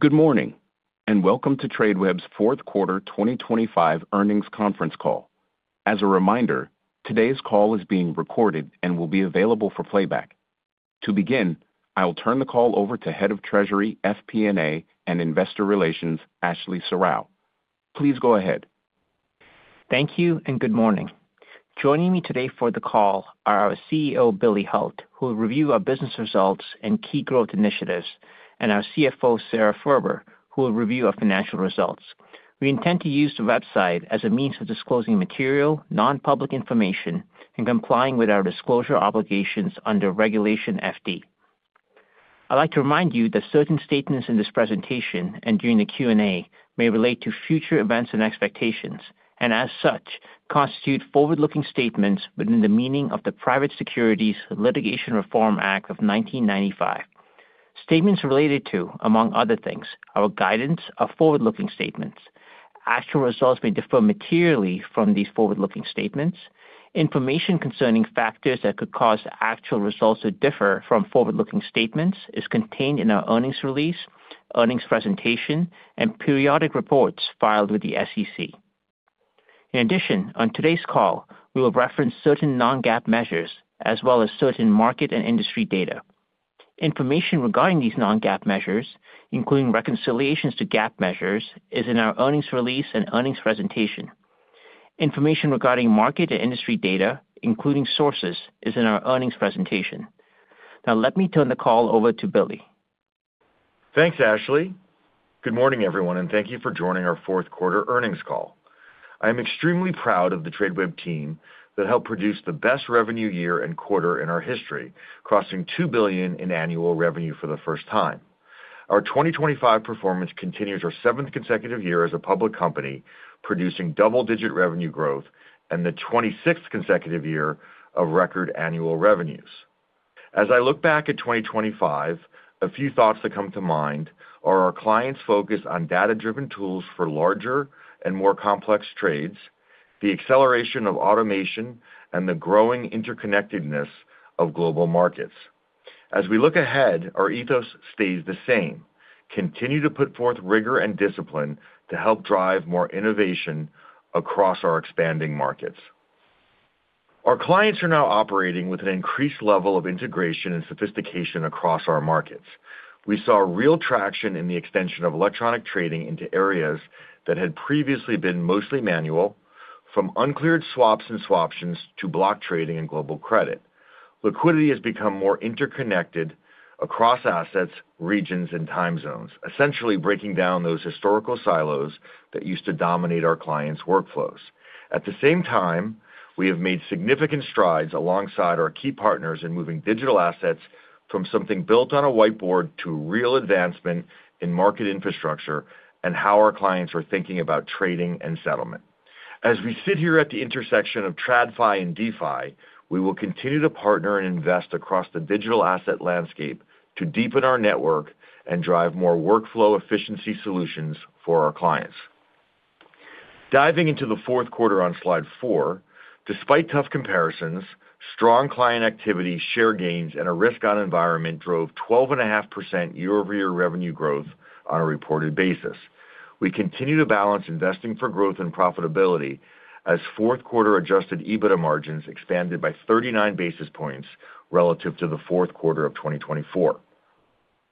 Good morning, and welcome to Tradeweb's fourth quarter 2025 earnings conference call. As a reminder, today's call is being recorded and will be available for playback. To begin, I will turn the call over to Head of Treasury, FP&A, and Investor Relations Ashley Serrao. Please go ahead. Thank you and good morning. Joining me today for the call are our CEO Billy Hult, who will review our business results and key growth initiatives, and our CFO Sara Furber, who will review our financial results. We intend to use the website as a means of disclosing material, non-public information, and complying with our disclosure obligations under Regulation FD. I'd like to remind you that certain statements in this presentation and during the Q&A may relate to future events and expectations, and as such constitute forward-looking statements within the meaning of the Private Securities Litigation Reform Act of 1995. Statements related to, among other things, are our guidance of forward-looking statements. Actual results may differ materially from these forward-looking statements. Information concerning factors that could cause actual results to differ from forward-looking statements is contained in our earnings release, earnings presentation, and periodic reports filed with the SEC. In addition, on today's call we will reference certain non-GAAP measures as well as certain market and industry data. Information regarding these non-GAAP measures, including reconciliations to GAAP measures, is in our earnings release and earnings presentation. Information regarding market and industry data, including sources, is in our earnings presentation. Now let me turn the call over to Billy. Thanks, Ashley. Good morning, everyone, and thank you for joining our fourth quarter earnings call. I am extremely proud of the Tradeweb team that helped produce the best revenue year and quarter in our history, crossing $2 billion in annual revenue for the first time. Our 2025 performance continues our seventh consecutive year as a public company producing double-digit revenue growth and the twenty-sixth consecutive year of record annual revenues. As I look back at 2025, a few thoughts that come to mind are our client's focus on data-driven tools for larger and more complex trades, the acceleration of automation, and the growing interconnectedness of global markets. As we look ahead, our ethos stays the same: continue to put forth rigor and discipline to help drive more innovation across our expanding markets. Our clients are now operating with an increased level of integration and sophistication across our markets. We saw real traction in the extension of electronic trading into areas that had previously been mostly manual, from uncleared swaps and swaptions to block trading and global credit. Liquidity has become more interconnected across assets, regions, and time zones, essentially breaking down those historical silos that used to dominate our clients' workflows. At the same time, we have made significant strides alongside our key partners in moving digital assets from something built on a whiteboard to real advancement in market infrastructure and how our clients are thinking about trading and settlement. As we sit here at the intersection of TradFi and DeFi, we will continue to partner and invest across the digital asset landscape to deepen our network and drive more workflow efficiency solutions for our clients. Diving into the fourth quarter on slide four, despite tough comparisons, strong client activity, share gains, and a risk-on environment drove 12.5% year-over-year revenue growth on a reported basis. We continue to balance investing for growth and profitability as fourth quarter Adjusted EBITDA margins expanded by 39 basis points relative to the fourth quarter of 2024.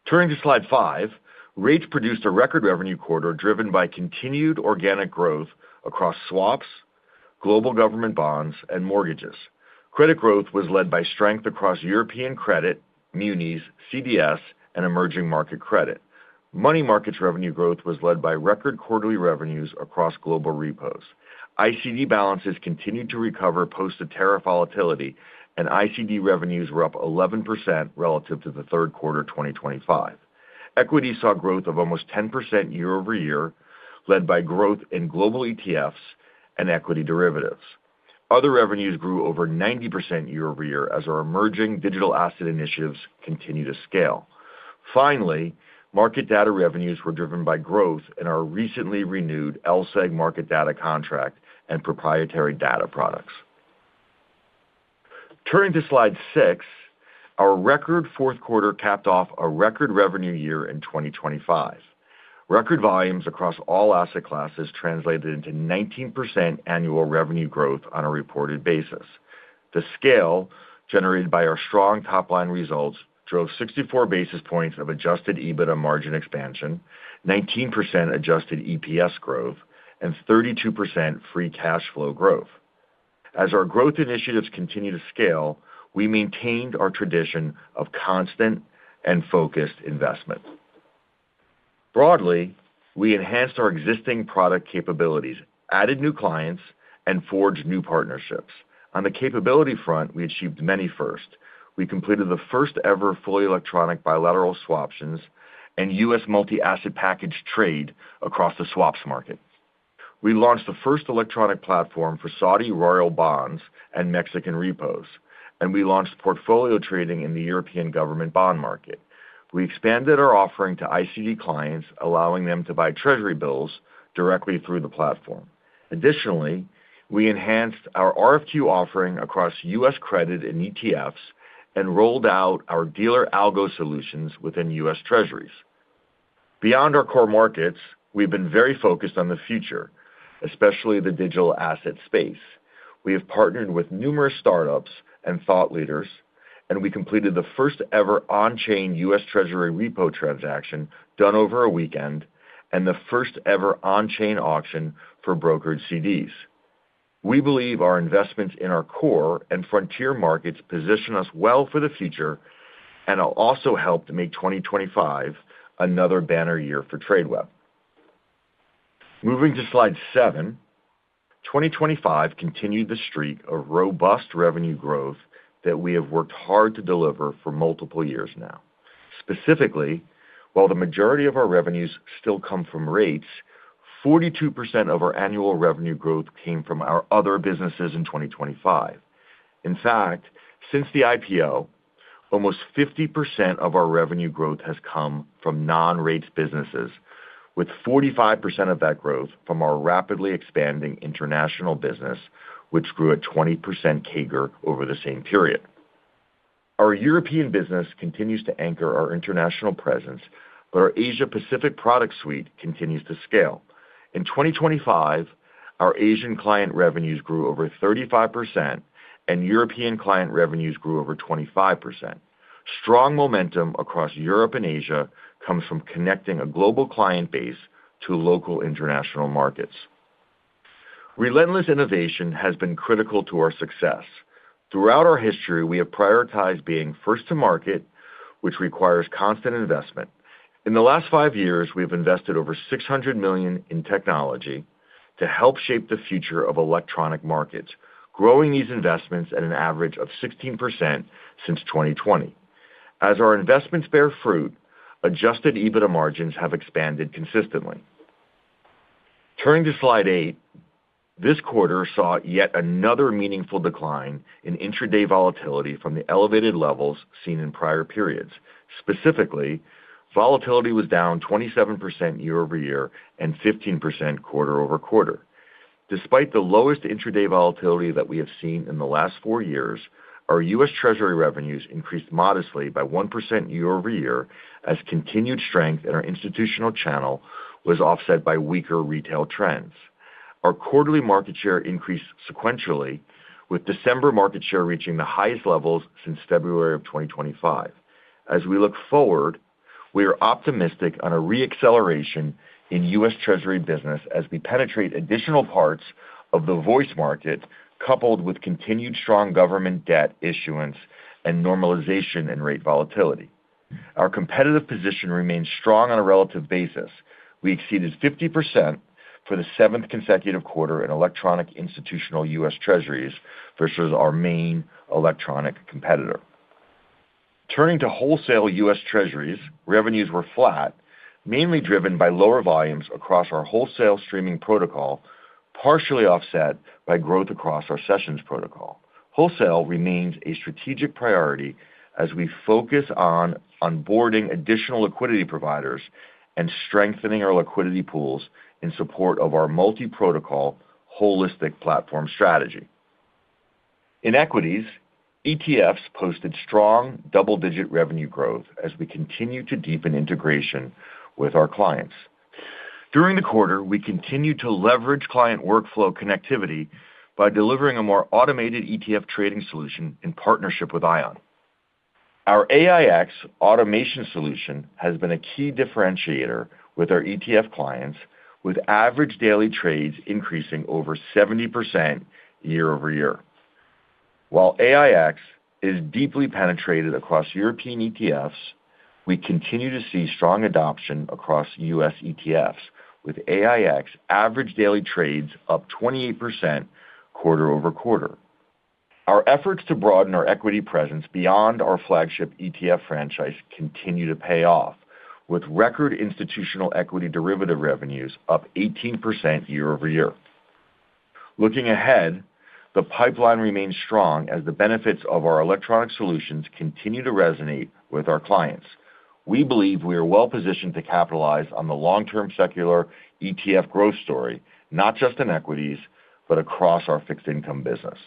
Turning to slide five, Rates produced a record revenue quarter driven by continued organic growth across swaps, global government bonds, and mortgages. Credit growth was led by strength across European credit, munis, CDS, and emerging market credit. Money markets revenue growth was led by record quarterly revenues across global repos. ICD balances continued to recover post-tariff volatility, and ICD revenues were up 11% relative to the third quarter 2025. Equities saw growth of almost 10% year-over-year, led by growth in global ETFs and equity derivatives. Other revenues grew over 90% year-over-year as our emerging digital asset initiatives continue to scale. Finally, market data revenues were driven by growth in our recently renewed LSEG market data contract and proprietary data products. Turning to slide 6, our record fourth quarter capped off a record revenue year in 2025. Record volumes across all asset classes translated into 19% annual revenue growth on a reported basis. The scale generated by our strong top-line results drove 64 basis points of adjusted EBITDA margin expansion, 19% adjusted EPS growth, and 32% free cash flow growth. As our growth initiatives continue to scale, we maintained our tradition of constant and focused investment. Broadly, we enhanced our existing product capabilities, added new clients, and forged new partnerships. On the capability front, we achieved many first. We completed the first-ever fully electronic bilateral swaptions and U.S. multi-asset package trade across the swaps market. We launched the first electronic platform for Saudi royal bonds and Mexican repos, and we launched portfolio trading in the European government bond market. We expanded our offering to ICD clients, allowing them to buy treasury bills directly through the platform. Additionally, we enhanced our RFQ offering across U.S. credit and ETFs and rolled out our dealer algo solutions within U.S. Treasuries. Beyond our core markets, we've been very focused on the future, especially the digital asset space. We have partnered with numerous startups and thought leaders, and we completed the first-ever on-chain U.S. Treasury repo transaction done over a weekend and the first-ever on-chain auction for brokerage CDs. We believe our investments in our core and frontier markets position us well for the future and also helped make 2025 another banner year for Tradeweb. Moving to slide 7, 2025 continued the streak of robust revenue growth that we have worked hard to deliver for multiple years now. Specifically, while the majority of our revenues still come from rates, 42% of our annual revenue growth came from our other businesses in 2025. In fact, since the IPO, almost 50% of our revenue growth has come from non-rates businesses, with 45% of that growth from our rapidly expanding international business, which grew at 20% CAGR over the same period. Our European business continues to anchor our international presence, but our Asia-Pacific product suite continues to scale. In 2025, our Asian client revenues grew over 35%, and European client revenues grew over 25%. Strong momentum across Europe and Asia comes from connecting a global client base to local international markets. Relentless innovation has been critical to our success. Throughout our history, we have prioritized being first to market, which requires constant investment. In the last five years, we have invested over $600 million in technology to help shape the future of electronic markets, growing these investments at an average of 16% since 2020. As our investments bear fruit, adjusted EBITDA margins have expanded consistently. Turning to slide eight, this quarter saw yet another meaningful decline in intraday volatility from the elevated levels seen in prior periods. Specifically, volatility was down 27% year-over-year and 15% quarter-over-quarter. Despite the lowest intraday volatility that we have seen in the last four years, our U.S. Treasury revenues increased modestly by 1% year-over-year as continued strength in our institutional channel was offset by weaker retail trends. Our quarterly market share increased sequentially, with December market share reaching the highest levels since February of 2025. As we look forward, we are optimistic on a reacceleration in U.S. Treasury business as we penetrate additional parts of the voice market, coupled with continued strong government debt issuance and normalization in rate volatility. Our competitive position remains strong on a relative basis. We exceeded 50% for the seventh consecutive quarter in electronic institutional U.S. Treasuries versus our main electronic competitor. Turning to wholesale U.S. Treasuries, revenues were flat, mainly driven by lower volumes across our wholesale streaming protocol, partially offset by growth across our sessions protocol. Wholesale remains a strategic priority as we focus on onboarding additional liquidity providers and strengthening our liquidity pools in support of our multi-protocol, holistic platform strategy. In equities, ETFs posted strong double-digit revenue growth as we continue to deepen integration with our clients. During the quarter, we continued to leverage client workflow connectivity by delivering a more automated ETF trading solution in partnership with ION. Our AiEX automation solution has been a key differentiator with our ETF clients, with average daily trades increasing over 70% year-over-year. While AiEX is deeply penetrated across European ETFs, we continue to see strong adoption across U.S. ETFs, with AiEX average daily trades up 28% quarter-over-quarter. Our efforts to broaden our equity presence beyond our flagship ETF franchise continue to pay off, with record institutional equity derivative revenues up 18% year-over-year. Looking ahead, the pipeline remains strong as the benefits of our electronic solutions continue to resonate with our clients. We believe we are well positioned to capitalize on the long-term secular ETF growth story, not just in equities but across our fixed-income business.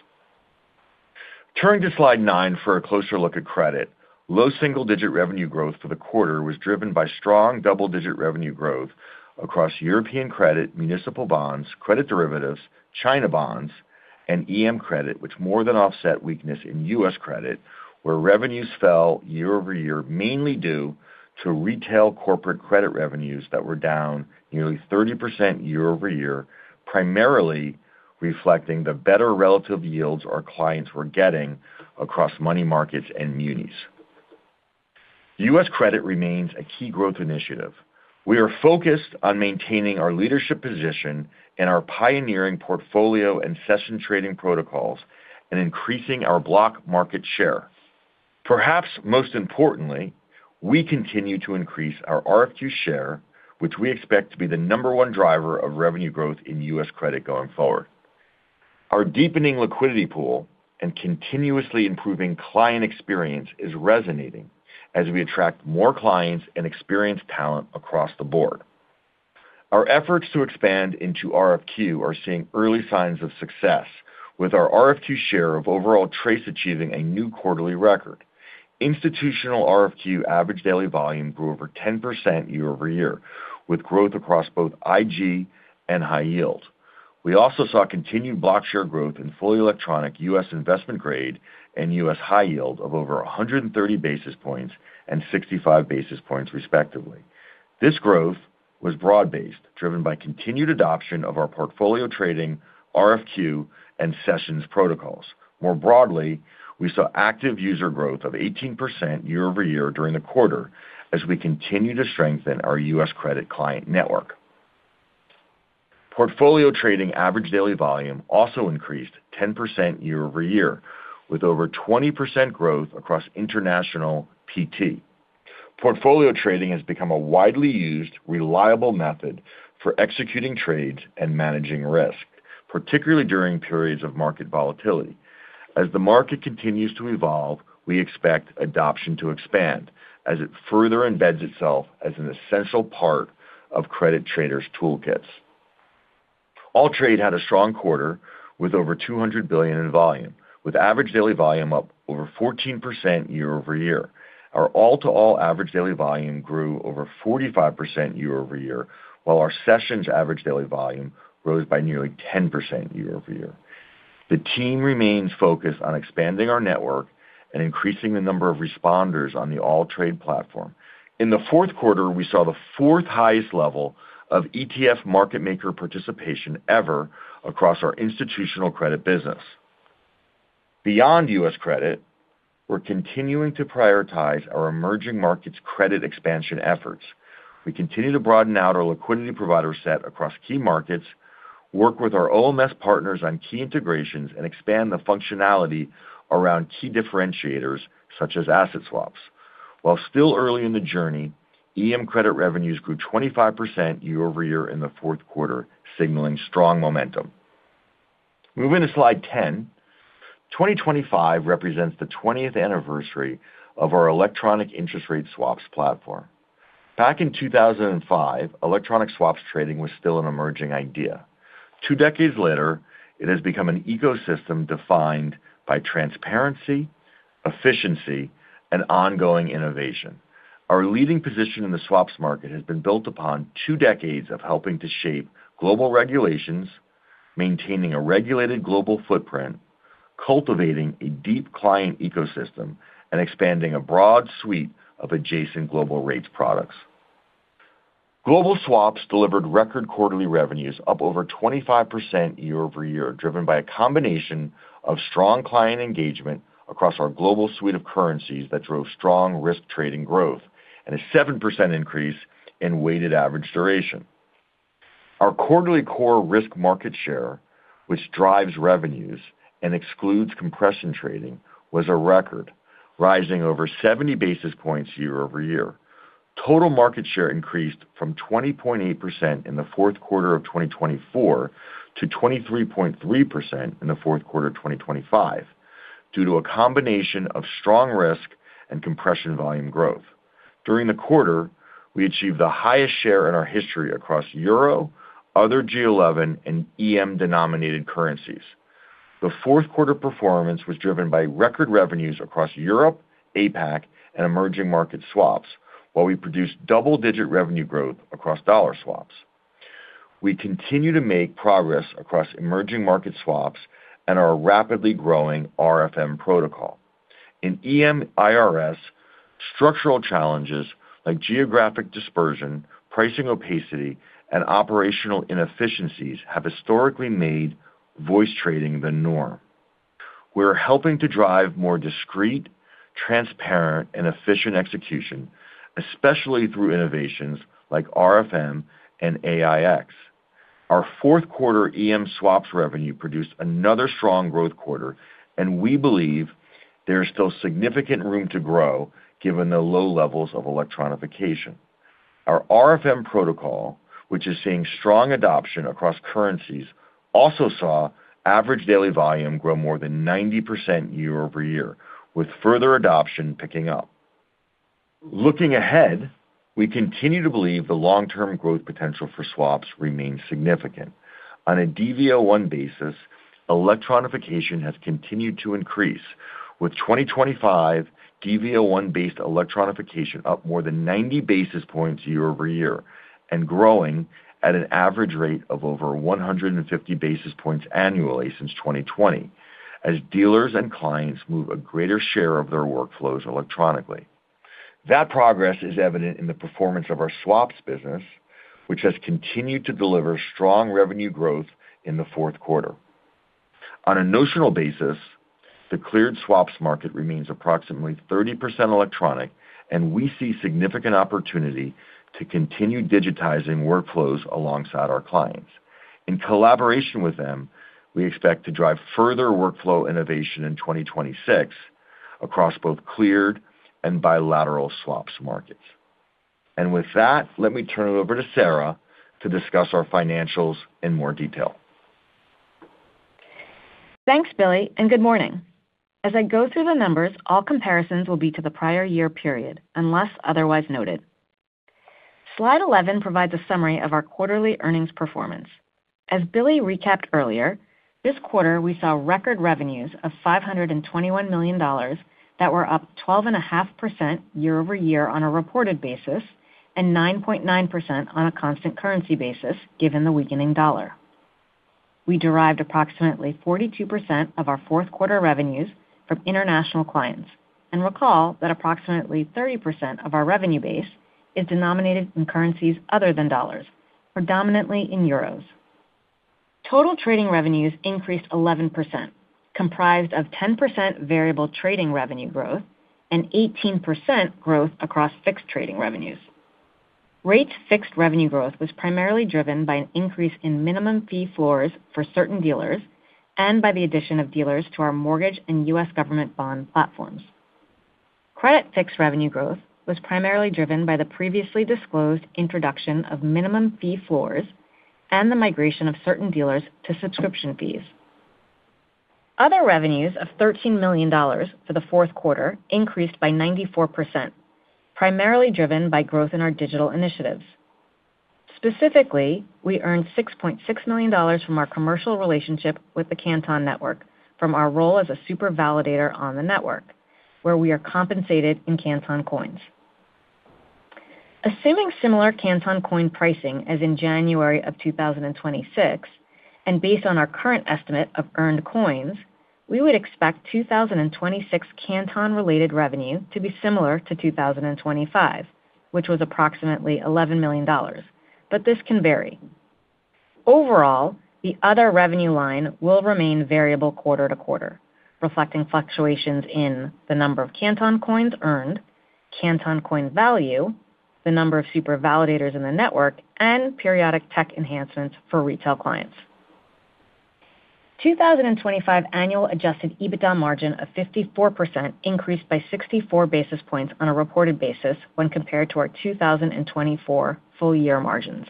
Turning to slide 9 for a closer look at credit, low single-digit revenue growth for the quarter was driven by strong double-digit revenue growth across European credit, municipal bonds, credit derivatives, China bonds, and EM credit, which more than offset weakness in U.S. credit, where revenues fell year-over-year mainly due to retail corporate credit revenues that were down nearly 30% year-over-year, primarily reflecting the better relative yields our clients were getting across money markets and munis. U.S. credit remains a key growth initiative. We are focused on maintaining our leadership position in our pioneering portfolio and session trading protocols and increasing our block market share. Perhaps most importantly, we continue to increase our RFQ share, which we expect to be the number one driver of revenue growth in U.S. credit going forward. Our deepening liquidity pool and continuously improving client experience is resonating as we attract more clients and experienced talent across the board. Our efforts to expand into RFQ are seeing early signs of success, with our RFQ share of overall TRACE achieving a new quarterly record. Institutional RFQ average daily volume grew over 10% year-over-year, with growth across both IG and high yield. We also saw continued block share growth in fully electronic U.S. investment grade and U.S. high yield of over 130 basis points and 65 basis points, respectively. This growth was broad-based, driven by continued adoption of our portfolio trading, RFQ, and sessions protocols. More broadly, we saw active user growth of 18% year-over-year during the quarter as we continue to strengthen our U.S. credit client network. Portfolio trading average daily volume also increased 10% year-over-year, with over 20% growth across international PT. Portfolio trading has become a widely used, reliable method for executing trades and managing risk, particularly during periods of market volatility. As the market continues to evolve, we expect adoption to expand as it further embeds itself as an essential part of credit traders' toolkits. AllTrade had a strong quarter with over $200 billion in volume, with average daily volume up over 14% year-over-year. Our all-to-all average daily volume grew over 45% year-over-year, while our Sessions average daily volume rose by nearly 10% year-over-year. The team remains focused on expanding our network and increasing the number of responders on the AllTrade platform. In the fourth quarter, we saw the fourth highest level of ETF market maker participation ever across our institutional credit business. Beyond U.S. credit, we're continuing to prioritize our emerging markets' credit expansion efforts. We continue to broaden out our liquidity provider set across key markets, work with our OMS partners on key integrations, and expand the functionality around key differentiators such as asset swaps. While still early in the journey, EM credit revenues grew 25% year-over-year in the fourth quarter, signaling strong momentum. Moving to slide 10, 2025 represents the 20th anniversary of our electronic interest rate swaps platform. Back in 2005, electronic swaps trading was still an emerging idea. Two decades later, it has become an ecosystem defined by transparency, efficiency, and ongoing innovation. Our leading position in the swaps market has been built upon two decades of helping to shape global regulations, maintaining a regulated global footprint, cultivating a deep client ecosystem, and expanding a broad suite of adjacent global rates products. Global swaps delivered record quarterly revenues up over 25% year-over-year, driven by a combination of strong client engagement across our global suite of currencies that drove strong risk trading growth and a 7% increase in weighted average duration. Our quarterly core risk market share, which drives revenues and excludes compression trading, was a record, rising over 70 basis points year-over-year. Total market share increased from 20.8% in the fourth quarter of 2024 to 23.3% in the fourth quarter of 2025 due to a combination of strong risk and compression volume growth. During the quarter, we achieved the highest share in our history across euro, other G11, and EM-denominated currencies. The fourth quarter performance was driven by record revenues across Europe, APAC, and emerging market swaps, while we produced double-digit revenue growth across dollar swaps. We continue to make progress across emerging market swaps and our rapidly growing RFM protocol. In EM/IRS, structural challenges like geographic dispersion, pricing opacity, and operational inefficiencies have historically made voice trading the norm. We're helping to drive more discrete, transparent, and efficient execution, especially through innovations like RFM and AiEX. Our fourth quarter EM swaps revenue produced another strong growth quarter, and we believe there is still significant room to grow given the low levels of electronification. Our RFM protocol, which is seeing strong adoption across currencies, also saw average daily volume grow more than 90% year-over-year, with further adoption picking up. Looking ahead, we continue to believe the long-term growth potential for swaps remains significant. On a DV01 basis, electronification has continued to increase, with 2025 DV01-based electronification up more than 90 basis points year-over-year and growing at an average rate of over 150 basis points annually since 2020 as dealers and clients move a greater share of their workflows electronically. That progress is evident in the performance of our swaps business, which has continued to deliver strong revenue growth in the fourth quarter. On a notional basis, the cleared swaps market remains approximately 30% electronic, and we see significant opportunity to continue digitizing workflows alongside our clients. In collaboration with them, we expect to drive further workflow innovation in 2026 across both cleared and bilateral swaps markets. With that, let me turn it over to Sara to discuss our financials in more detail. Thanks, Billy, and good morning. As I go through the numbers, all comparisons will be to the prior year period, unless otherwise noted. Slide 11 provides a summary of our quarterly earnings performance. As Billy recapped earlier, this quarter we saw record revenues of $521 million that were up 12.5% year-over-year on a reported basis and 9.9% on a constant currency basis given the weakening dollar. We derived approximately 42% of our fourth quarter revenues from international clients and recall that approximately 30% of our revenue base is denominated in currencies other than dollars, predominantly in euros. Total trading revenues increased 11%, comprised of 10% variable trading revenue growth and 18% growth across fixed trading revenues. Rates fixed revenue growth was primarily driven by an increase in minimum fee floors for certain dealers and by the addition of dealers to our mortgage and U.S. government bond platforms. Credit fixed revenue growth was primarily driven by the previously disclosed introduction of minimum fee floors and the migration of certain dealers to subscription fees. Other revenues of $13 million for the fourth quarter increased by 94%, primarily driven by growth in our digital initiatives. Specifically, we earned $6.6 million from our commercial relationship with the Canton Network from our role as a super validator on the network, where we are compensated in Canton Coins. Assuming similar Canton coin pricing as in January of 2026 and based on our current estimate of earned coins, we would expect 2026 Canton-related revenue to be similar to 2025, which was approximately $11 million, but this can vary. Overall, the other revenue line will remain variable quarter-to-quarter, reflecting fluctuations in the number of Canton Coins earned, Canton Coin value, the number of super validators in the network, and periodic tech enhancements for retail clients. 2025 annual Adjusted EBITDA margin of 54% increased by 64 basis points on a reported basis when compared to our 2024 full-year margins.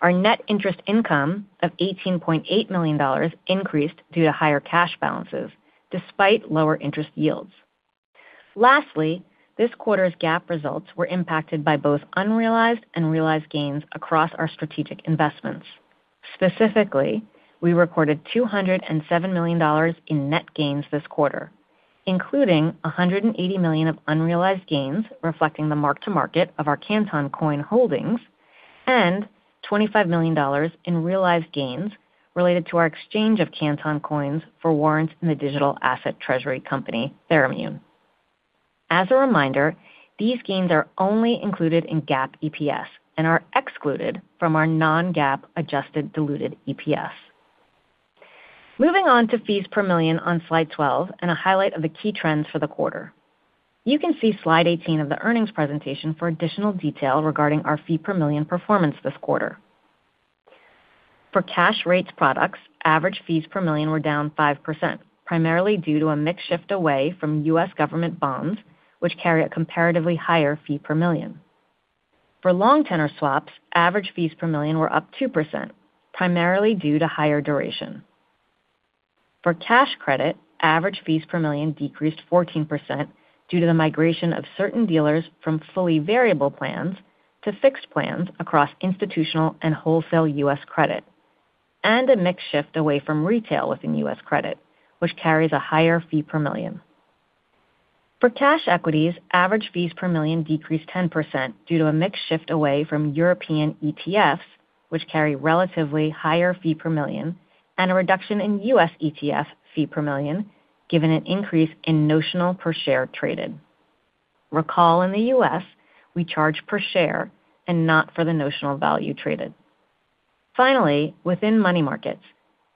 Our net interest income of $18.8 million increased due to higher cash balances despite lower interest yields. Lastly, this quarter's GAAP results were impacted by both unrealized and realized gains across our strategic investments. Specifically, we recorded $207 million in net gains this quarter, including $180 million of unrealized gains reflecting the mark-to-market of our Canton Coin holdings and $25 million in realized gains related to our exchange of Canton Coins for warrants in the digital asset treasury company Securitize. As a reminder, these gains are only included in GAAP EPS and are excluded from our non-GAAP adjusted diluted EPS. Moving on to fees per million on slide 12 and a highlight of the key trends for the quarter. You can see slide 18 of the earnings presentation for additional detail regarding our fee per million performance this quarter. For cash rates products, average fees per million were down 5%, primarily due to a mixed shift away from U.S. government bonds, which carry a comparatively higher fee per million. For long tenor swaps, average fees per million were up 2%, primarily due to higher duration. For cash credit, average fees per million decreased 14% due to the migration of certain dealers from fully variable plans to fixed plans across institutional and wholesale U.S. credit and a mixed shift away from retail within U.S. credit, which carries a higher fee per million. For cash equities, average fees per million decreased 10% due to a mixed shift away from European ETFs, which carry relatively higher fee per million, and a reduction in U.S. ETF fee per million given an increase in notional per share traded. Recall in the U.S., we charge per share and not for the notional value traded. Finally, within money markets,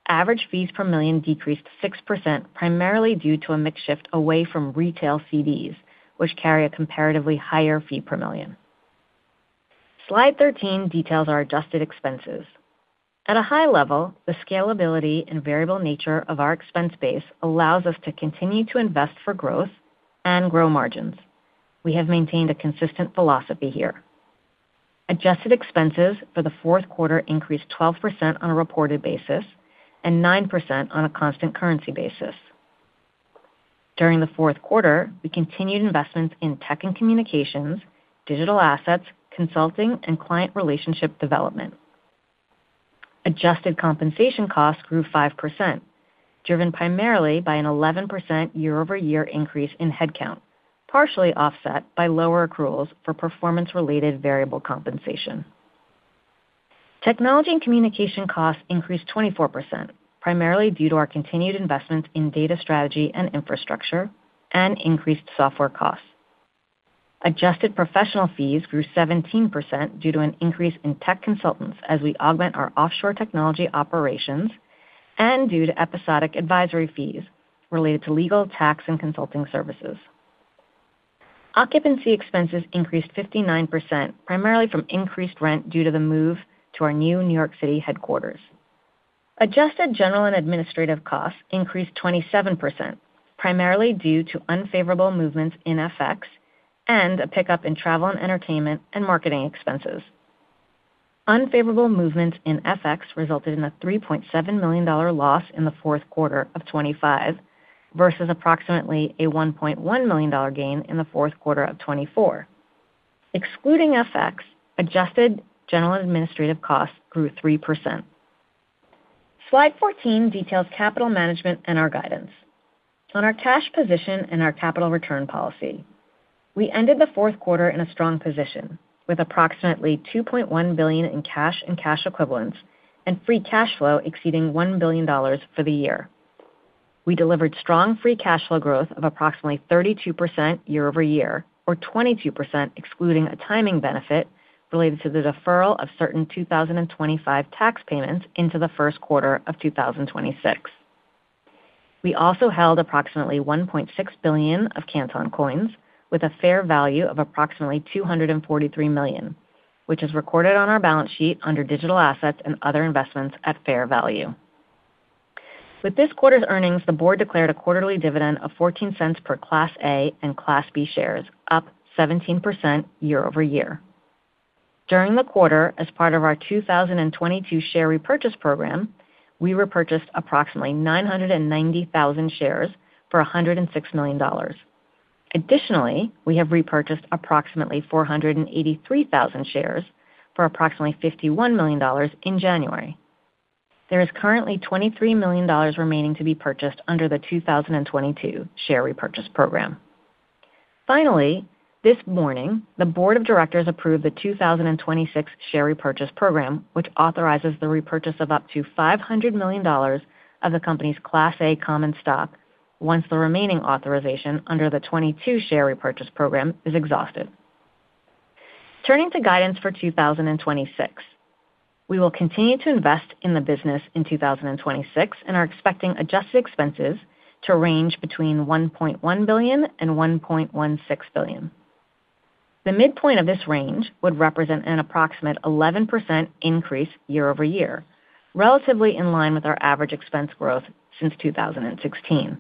average fees per million decreased 6%, primarily due to a mixed shift away from retail CDs, which carry a comparatively higher fee per million. Slide 13 details our adjusted expenses. At a high level, the scalability and variable nature of our expense base allows us to continue to invest for growth and grow margins. We have maintained a consistent philosophy here. Adjusted expenses for the fourth quarter increased 12% on a reported basis and 9% on a constant currency basis. During the fourth quarter, we continued investments in tech and communications, digital assets, consulting, and client relationship development. Adjusted compensation costs grew 5%, driven primarily by an 11% year-over-year increase in headcount, partially offset by lower accruals for performance-related variable compensation. Technology and communication costs increased 24%, primarily due to our continued investments in data strategy and infrastructure and increased software costs. Adjusted professional fees grew 17% due to an increase in tech consultants as we augment our offshore technology operations and due to episodic advisory fees related to legal, tax, and consulting services. Occupancy expenses increased 59%, primarily from increased rent due to the move to our new New York City headquarters. Adjusted general and administrative costs increased 27%, primarily due to unfavorable movements in FX and a pickup in travel and entertainment and marketing expenses. Unfavorable movements in FX resulted in a $3.7 million loss in the fourth quarter of 2025 versus approximately a $1.1 million gain in the fourth quarter of 2024. Excluding FX, adjusted general and administrative costs grew 3%. Slide 14 details capital management and our guidance. On our cash position and our capital return policy, we ended the fourth quarter in a strong position with approximately $2.1 billion in cash and cash equivalents and free cash flow exceeding $1 billion for the year. We delivered strong free cash flow growth of approximately 32% year-over-year or 22% excluding a timing benefit related to the deferral of certain 2025 tax payments into the first quarter of 2026. We also held approximately 1.6 billion of Canton Coins with a fair value of approximately $243 million, which is recorded on our balance sheet under digital assets and other investments at fair value. With this quarter's earnings, the board declared a quarterly dividend of $0.14 per Class A and Class B shares, up 17% year-over-year. During the quarter, as part of our 2022 share repurchase program, we repurchased approximately 990,000 shares for $106 million. Additionally, we have repurchased approximately 483,000 shares for approximately $51 million in January. There is currently $23 million remaining to be purchased under the 2022 share repurchase program. Finally, this morning, the board of directors approved the 2026 share repurchase program, which authorizes the repurchase of up to $500 million of the company's Class A common stock once the remaining authorization under the 2022 share repurchase program is exhausted. Turning to guidance for 2026, we will continue to invest in the business in 2026 and are expecting adjusted expenses to range between $1.1 billion and $1.16 billion. The midpoint of this range would represent an approximate 11% increase year-over-year, relatively in line with our average expense growth since 2016.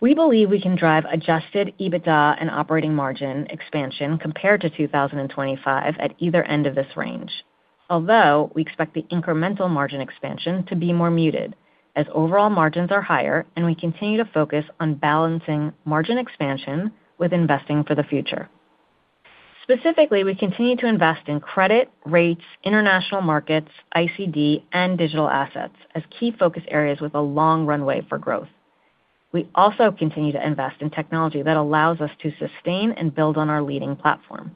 We believe we can drive adjusted EBITDA and operating margin expansion compared to 2025 at either end of this range, although we expect the incremental margin expansion to be more muted as overall margins are higher and we continue to focus on balancing margin expansion with investing for the future. Specifically, we continue to invest in credit, rates, international markets, ICD, and digital assets as key focus areas with a long runway for growth. We also continue to invest in technology that allows us to sustain and build on our leading platform.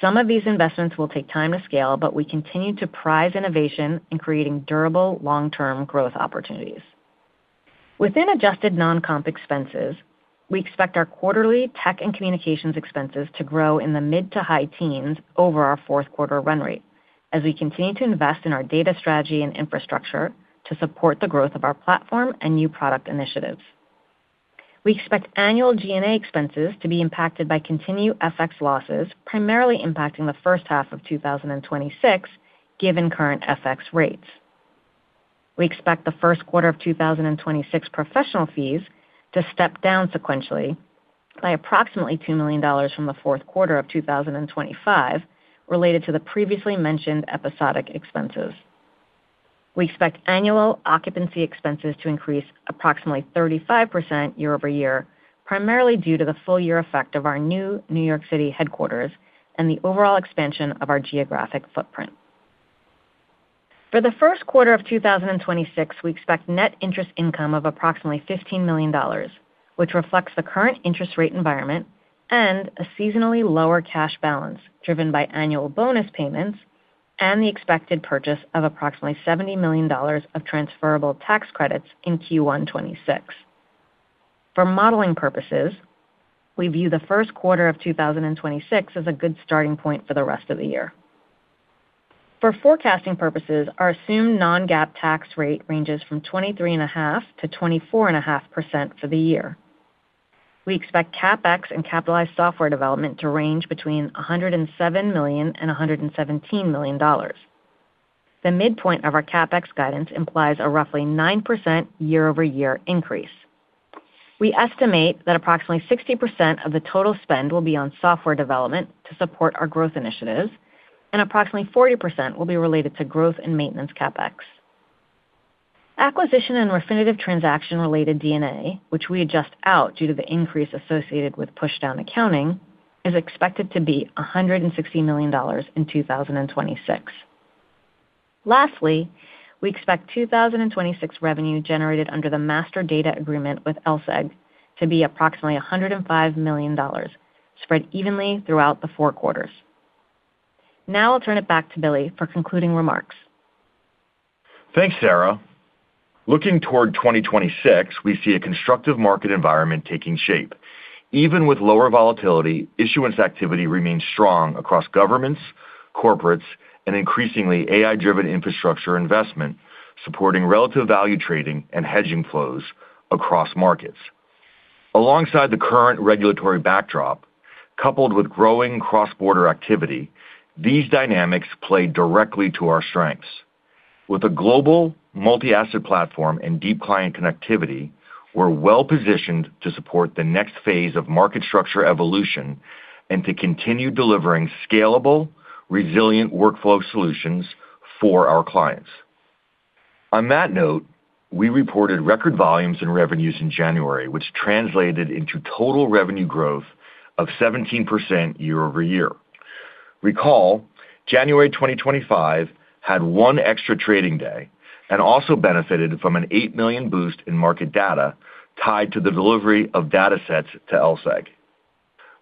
Some of these investments will take time to scale, but we continue to prize innovation in creating durable, long-term growth opportunities. Within adjusted non-comp expenses, we expect our quarterly tech and communications expenses to grow in the mid- to high-teens over our fourth quarter run rate as we continue to invest in our data strategy and infrastructure to support the growth of our platform and new product initiatives. We expect annual G&A expenses to be impacted by continued FX losses, primarily impacting the first half of 2026 given current FX rates. We expect the first quarter of 2026 professional fees to step down sequentially by approximately $2 million from the fourth quarter of 2025 related to the previously mentioned episodic expenses. We expect annual occupancy expenses to increase approximately 35% year-over-year, primarily due to the full-year effect of our new New York City headquarters and the overall expansion of our geographic footprint. For the first quarter of 2026, we expect net interest income of approximately $15 million, which reflects the current interest rate environment and a seasonally lower cash balance driven by annual bonus payments and the expected purchase of approximately $70 million of transferable tax credits in Q1 2026. For modeling purposes, we view the first quarter of 2026 as a good starting point for the rest of the year. For forecasting purposes, our assumed non-GAAP tax rate ranges from 23.5%-24.5% for the year. We expect CapEx and capitalized software development to range between $107 million and $117 million. The midpoint of our CapEx guidance implies a roughly 9% year-over-year increase. We estimate that approximately 60% of the total spend will be on software development to support our growth initiatives, and approximately 40% will be related to growth and maintenance CapEx. Acquisition and Refinitiv transaction-related D&A, which we adjust out due to the increase associated with push-down accounting, is expected to be $160 million in 2026. Lastly, we expect 2026 revenue generated under the master data agreement with LSEG to be approximately $105 million, spread evenly throughout the four quarters. Now I'll turn it back to Billy for concluding remarks. Thanks, Sara. Looking toward 2026, we see a constructive market environment taking shape. Even with lower volatility, issuance activity remains strong across governments, corporates, and increasingly AI-driven infrastructure investment supporting relative value trading and hedging flows across markets. Alongside the current regulatory backdrop, coupled with growing cross-border activity, these dynamics play directly to our strengths. With a global, multi-asset platform and deep client connectivity, we're well-positioned to support the next phase of market structure evolution and to continue delivering scalable, resilient workflow solutions for our clients. On that note, we reported record volumes in revenues in January, which translated into total revenue growth of 17% year-over-year. Recall, January 2025 had one extra trading day and also benefited from an $8 million boost in market data tied to the delivery of datasets to LSEG.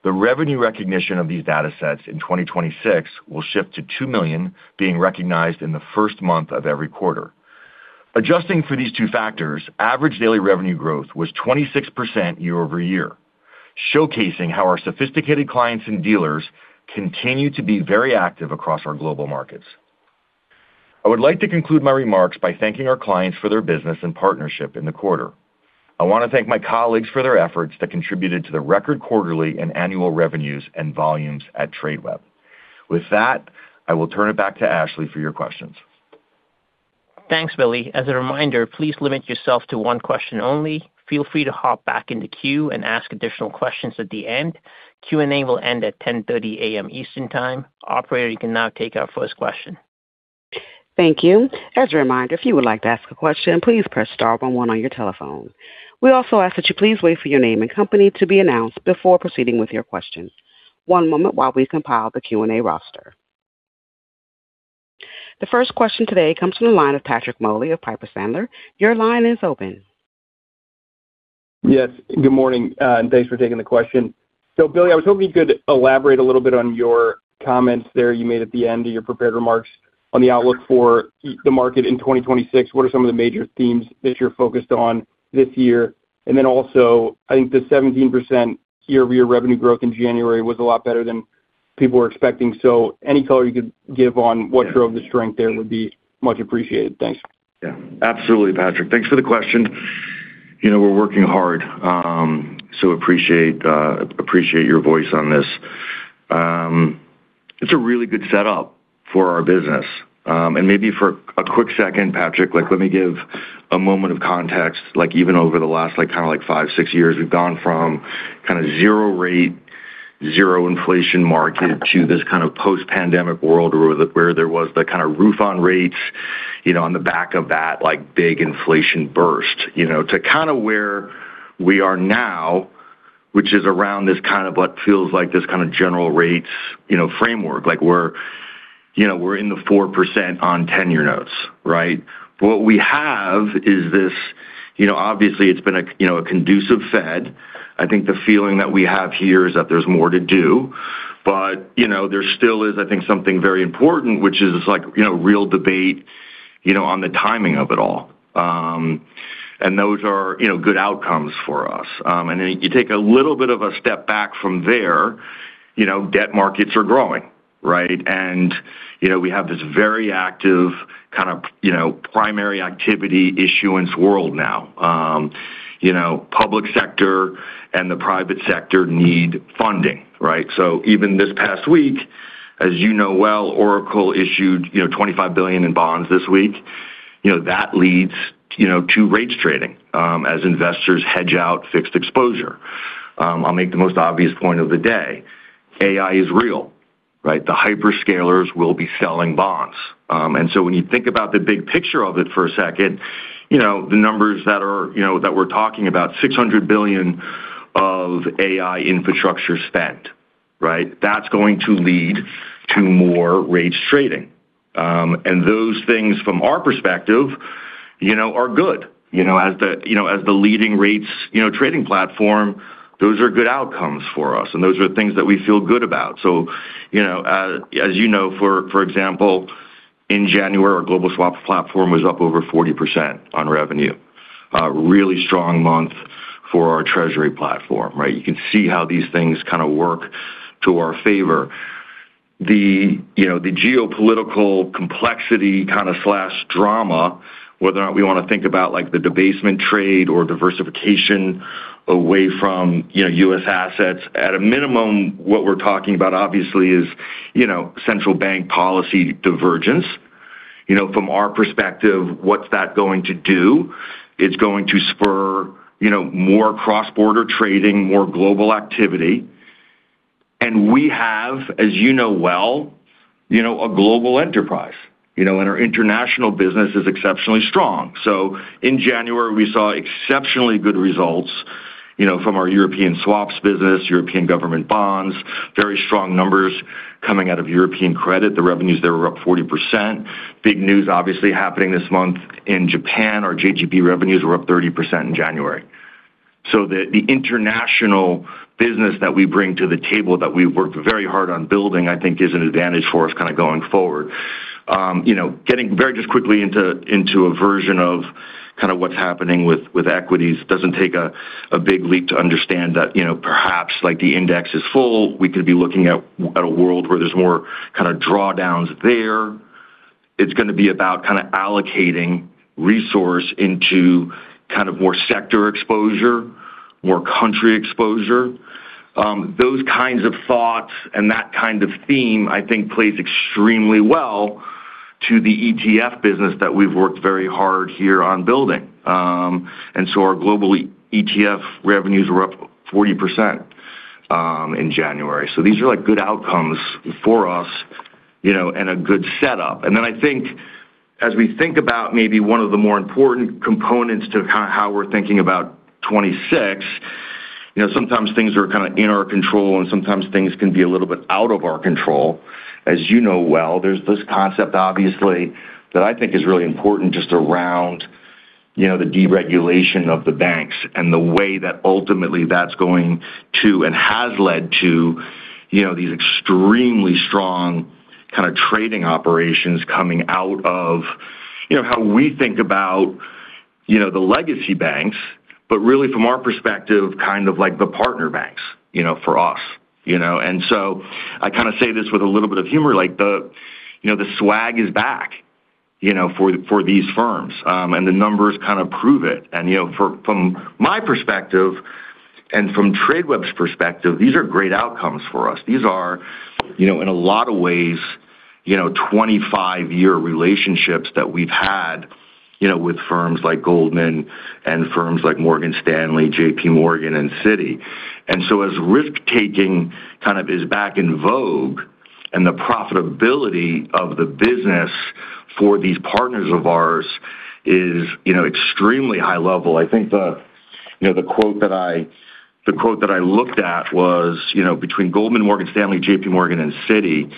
The revenue recognition of these datasets in 2026 will shift to $2 million being recognized in the first month of every quarter. Adjusting for these two factors, average daily revenue growth was 26% year-over-year, showcasing how our sophisticated clients and dealers continue to be very active across our global markets. I would like to conclude my remarks by thanking our clients for their business and partnership in the quarter. I want to thank my colleagues for their efforts that contributed to the record quarterly and annual revenues and volumes at Tradeweb. With that, I will turn it back to Ashley for your questions. Thanks, Billy. As a reminder, please limit yourself to one question only. Feel free to hop back into queue and ask additional questions at the end. Q&A will end at 10:30 A.M. Eastern Time. Operator, you can now take our first question. Thank you. As a reminder, if you would like to ask a question, please press star 11 on your telephone. We also ask that you please wait for your name and company to be announced before proceeding with your question. One moment while we compile the Q&A roster. The first question today comes from the line of Patrick Moley of Piper Sandler. Your line is open. Yes. Good morning and thanks for taking the question. So, Billy, I was hoping you could elaborate a little bit on your comments there you made at the end of your prepared remarks on the outlook for the market in 2026. What are some of the major themes that you're focused on this year? And then also, I think the 17% year-over-year revenue growth in January was a lot better than people were expecting. So any color you could give on what drove the strength there would be much appreciated. Thanks. Yeah. Absolutely, Patrick. Thanks for the question. We're working hard, so appreciate your voice on this. It's a really good setup for our business. And maybe for a quick second, Patrick, let me give a moment of context. Even over the last kind of 5, 6 years, we've gone from kind of 0 rate, 0 inflation market to this kind of post-pandemic world where there was the kind of higher rates on the back of that big inflation burst to kind of where we are now, which is around this kind of what feels like this kind of general rates framework. We're in the 4% on 10-year notes, right? What we have is this obviously, it's been a conducive Fed. I think the feeling that we have here is that there's more to do. But there still is, I think, something very important, which is real debate on the timing of it all. And those are good outcomes for us. And then you take a little bit of a step back from there, debt markets are growing, right? And we have this very active kind of primary activity issuance world now. Public sector and the private sector need funding, right? So even this past week, as you know well, Oracle issued $25 billion in bonds this week. That leads to rates trading as investors hedge out fixed exposure. I'll make the most obvious point of the day. AI is real, right? The hyperscalers will be selling bonds. And so when you think about the big picture of it for a second, the numbers that we're talking about, $600 billion of AI infrastructure spent, right? That's going to lead to more rates trading. And those things, from our perspective, are good. As the leading rates trading platform, those are good outcomes for us, and those are things that we feel good about. So, as you know, for example, in January, our global swap platform was up over 40% on revenue. Really strong month for our treasury platform, right? You can see how these things kind of work to our favor. The geopolitical complexity kind of drama, whether or not we want to think about the debasement trade or diversification away from U.S. assets, at a minimum, what we're talking about, obviously, is central bank policy divergence. From our perspective, what's that going to do? It's going to spur more cross-border trading, more global activity. And we have, as you know well, a global enterprise, and our international business is exceptionally strong. So in January, we saw exceptionally good results from our European swaps business, European government bonds, very strong numbers coming out of European credit. The revenues there were up 40%. Big news, obviously, happening this month in Japan. Our JGB revenues were up 30% in January. So the international business that we bring to the table that we've worked very hard on building, I think, is an advantage for us kind of going forward. Getting very just quickly into a version of kind of what's happening with equities doesn't take a big leap to understand that perhaps the index is full. We could be looking at a world where there's more kind of drawdowns there. It's going to be about kind of allocating resource into kind of more sector exposure, more country exposure. Those kinds of thoughts and that kind of theme, I think, plays extremely well to the ETF business that we've worked very hard here on building. And so our global ETF revenues were up 40% in January. So these are good outcomes for us and a good setup. And then I think as we think about maybe one of the more important components to kind of how we're thinking about 2026, sometimes things are kind of in our control, and sometimes things can be a little bit out of our control. As you know well, there's this concept, obviously, that I think is really important just around the deregulation of the banks and the way that ultimately that's going to and has led to these extremely strong kind of trading operations coming out of how we think about the legacy banks, but really, from our perspective, kind of the partner banks for us. And so I kind of say this with a little bit of humor. The swag is back for these firms, and the numbers kind of prove it. And from my perspective and from Tradeweb's perspective, these are great outcomes for us. These are, in a lot of ways, 25-year relationships that we've had with firms like Goldman and firms like Morgan Stanley, J.P. Morgan, and Citi. And so as risk-taking kind of is back in vogue and the profitability of the business for these partners of ours is extremely high level, I think the quote that I looked at was, "Between Goldman, Morgan Stanley, J.P. Morgan, and Citi,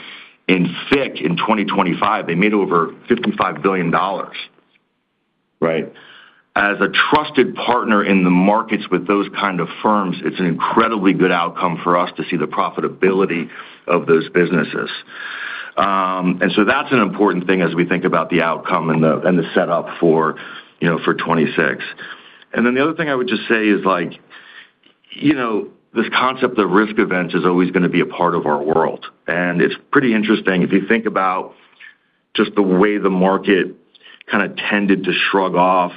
in FIC in 2025, they made over $55 billion," right? As a trusted partner in the markets with those kind of firms, it's an incredibly good outcome for us to see the profitability of those businesses. And so that's an important thing as we think about the outcome and the setup for 2026. And then the other thing I would just say is this concept of risk events is always going to be a part of our world. And it's pretty interesting if you think about just the way the market kind of tended to shrug off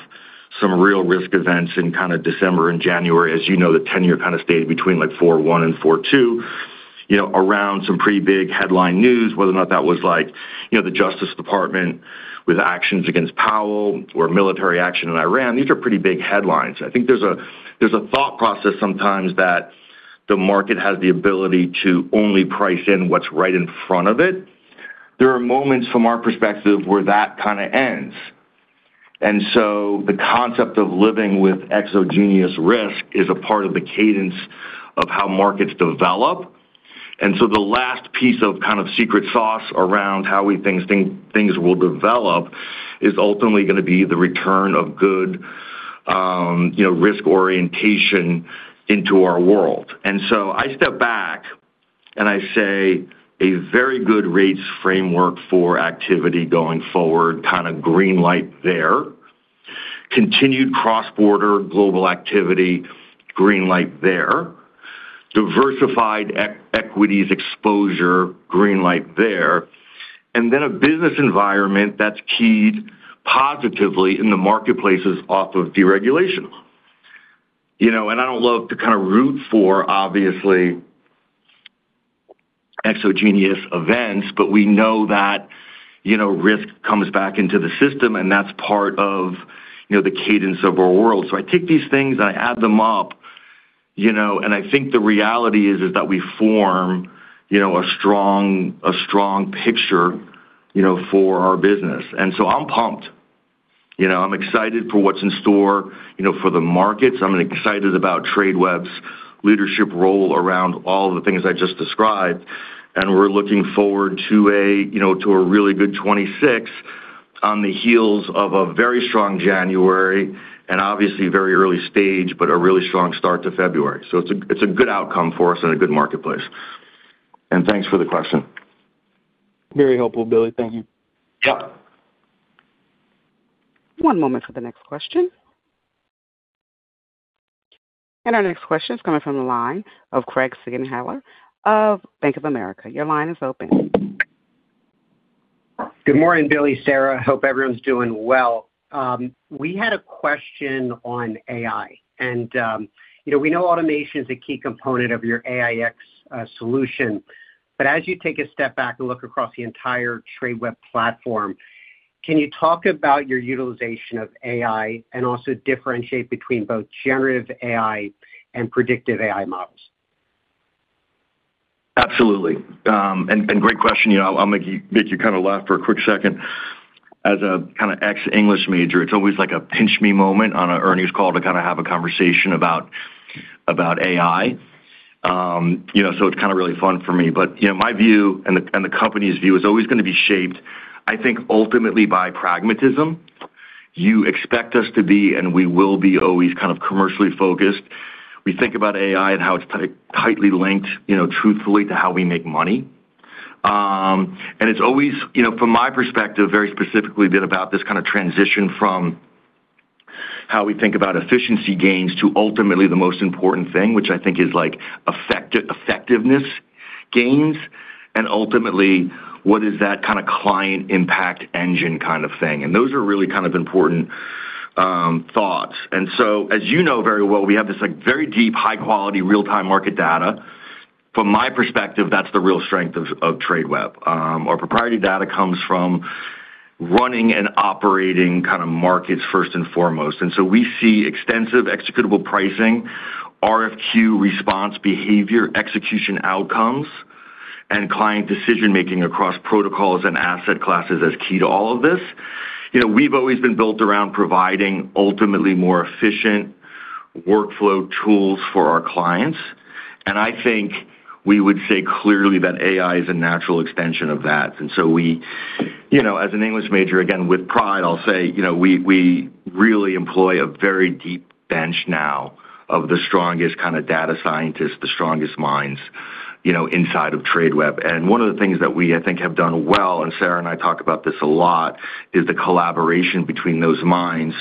some real risk events in kind of December and January. As you know, the 10-year kind of stayed between 4.1%-4.2% around some pretty big headline news, whether or not that was the Justice Department with actions against Powell or military action in Iran. These are pretty big headlines. I think there's a thought process sometimes that the market has the ability to only price in what's right in front of it. There are moments, from our perspective, where that kind of ends. And so the concept of living with exogenous risk is a part of the cadence of how markets develop. And so the last piece of kind of secret sauce around how things will develop is ultimately going to be the return of good risk orientation into our world. And so I step back and I say a very good rates framework for activity going forward, kind of green light there. Continued cross-border global activity, green light there. Diversified equities exposure, green light there. And then a business environment that's keyed positively in the marketplaces off of deregulation. And I don't love to kind of root for, obviously, exogenous events, but we know that risk comes back into the system, and that's part of the cadence of our world. So I take these things and I add them up. And I think the reality is that we form a strong picture for our business. And so I'm pumped. I'm excited for what's in store for the markets. I'm excited about Tradeweb's leadership role around all the things I just described. And we're looking forward to a really good 2026 on the heels of a very strong January and, obviously, very early stage, but a really strong start to February. So it's a good outcome for us and a good marketplace. And thanks for the question. Very helpful, Billy. Thank you. Yep. One moment for the next question. Our next question is coming from the line of Craig Siegenthaler of Bank of America. Your line is open. Good morning, Billy, Sara. Hope everyone's doing well. We had a question on AI. We know automation is a key component of your AiEX solution. But as you take a step back and look across the entire Tradeweb platform, can you talk about your utilization of AI and also differentiate between both generative AI and predictive AI models? Absolutely. And great question. I'll make you kind of laugh for a quick second. As a kind of ex-English major, it's always a pinch-me moment on an earnings call to kind of have a conversation about AI. So it's kind of really fun for me. But my view and the company's view is always going to be shaped, I think, ultimately by pragmatism. You expect us to be, and we will be, always kind of commercially focused. We think about AI and how it's tightly linked, truthfully, to how we make money. And it's always, from my perspective, very specifically been about this kind of transition from how we think about efficiency gains to ultimately the most important thing, which I think is effectiveness gains and ultimately what is that kind of client impact engine kind of thing. And those are really kind of important thoughts. And so, as you know very well, we have this very deep, high-quality, real-time market data. From my perspective, that's the real strength of Tradeweb. Our proprietary data comes from running and operating kind of markets first and foremost. And so we see extensive executable pricing, RFQ response behavior, execution outcomes, and client decision-making across protocols and asset classes as key to all of this. We've always been built around providing, ultimately, more efficient workflow tools for our clients. And I think we would say clearly that AI is a natural extension of that. And so we, as an English major, again, with pride, I'll say we really employ a very deep bench now of the strongest kind of data scientists, the strongest minds inside of Tradeweb. One of the things that we, I think, have done well, and Sara and I talk about this a lot, is the collaboration between those minds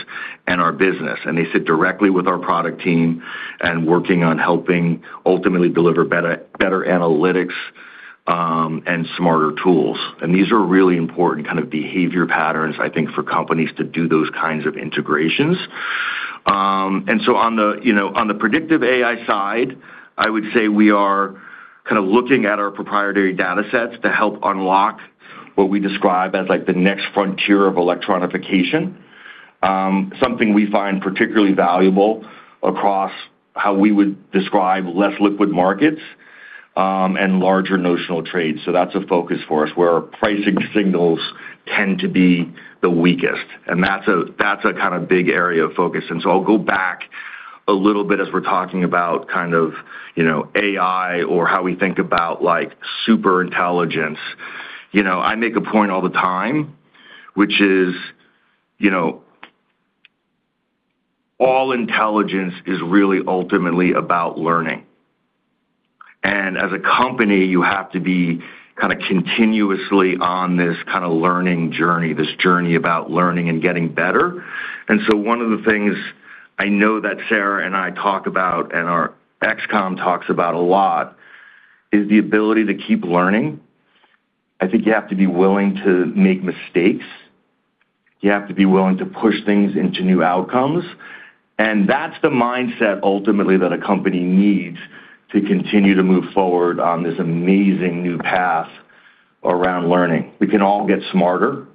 and our business. They sit directly with our product team and working on helping, ultimately, deliver better analytics and smarter tools. These are really important kind of behavior patterns, I think, for companies to do those kinds of integrations. So on the predictive AI side, I would say we are kind of looking at our proprietary datasets to help unlock what we describe as the next frontier of electronification, something we find particularly valuable across how we would describe less liquid markets and larger notional trades. So that's a focus for us where our pricing signals tend to be the weakest. That's a kind of big area of focus. So I'll go back a little bit as we're talking about kind of AI or how we think about superintelligence. I make a point all the time, which is all intelligence is really, ultimately, about learning. As a company, you have to be kind of continuously on this kind of learning journey, this journey about learning and getting better. So one of the things I know that Sara and I talk about and our ex-com talks about a lot is the ability to keep learning. I think you have to be willing to make mistakes. You have to be willing to push things into new outcomes. That's the mindset, ultimately, that a company needs to continue to move forward on this amazing new path around learning. We can all get smarter.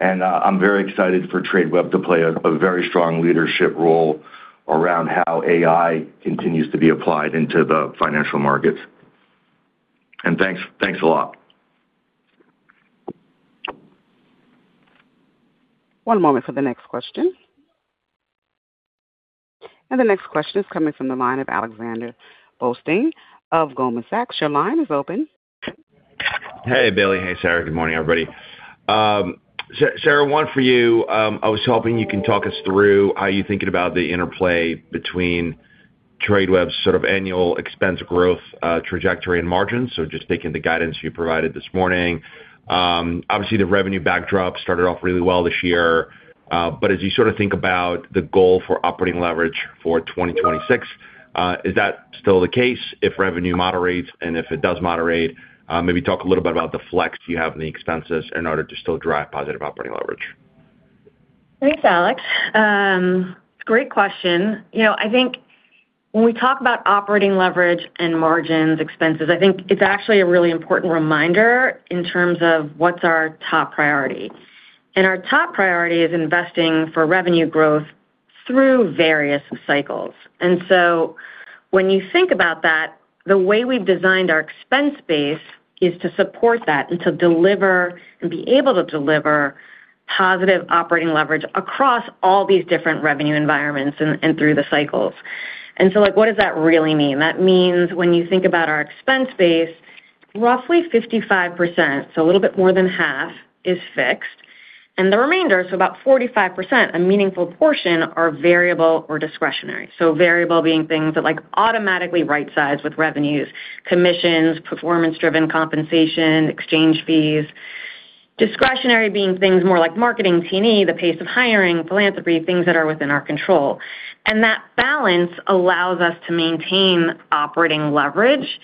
I'm very excited for Tradeweb to play a very strong leadership role around how AI continues to be applied into the financial markets. Thanks a lot. One moment for the next question. The next question is coming from the line of Alexander Blostein of Goldman Sachs. Your line is open. Hey, Billy. Hey, Sara. Good morning, everybody. Sara, one for you. I was hoping you can talk us through how you're thinking about the interplay between Tradeweb's sort of annual expense growth trajectory and margins, so just taking the guidance you provided this morning. Obviously, the revenue backdrop started off really well this year. But as you sort of think about the goal for operating leverage for 2026, is that still the case if revenue moderates? And if it does moderate, maybe talk a little bit about the flex you have in the expenses in order to still drive positive operating leverage. Thanks, Alex. Great question. I think when we talk about operating leverage and margins, expenses, I think it's actually a really important reminder in terms of what's our top priority. Our top priority is investing for revenue growth through various cycles. So when you think about that, the way we've designed our expense base is to support that and to deliver and be able to deliver positive operating leverage across all these different revenue environments and through the cycles. So what does that really mean? That means when you think about our expense base, roughly 55%, so a little bit more than half, is fixed. The remainder, so about 45%, a meaningful portion, are variable or discretionary. Variable being things that automatically right-size with revenues, commissions, performance-driven compensation, exchange fees. Discretionary being things more like marketing, T&E, the pace of hiring, philanthropy, things that are within our control. And that balance allows us to maintain operating leverage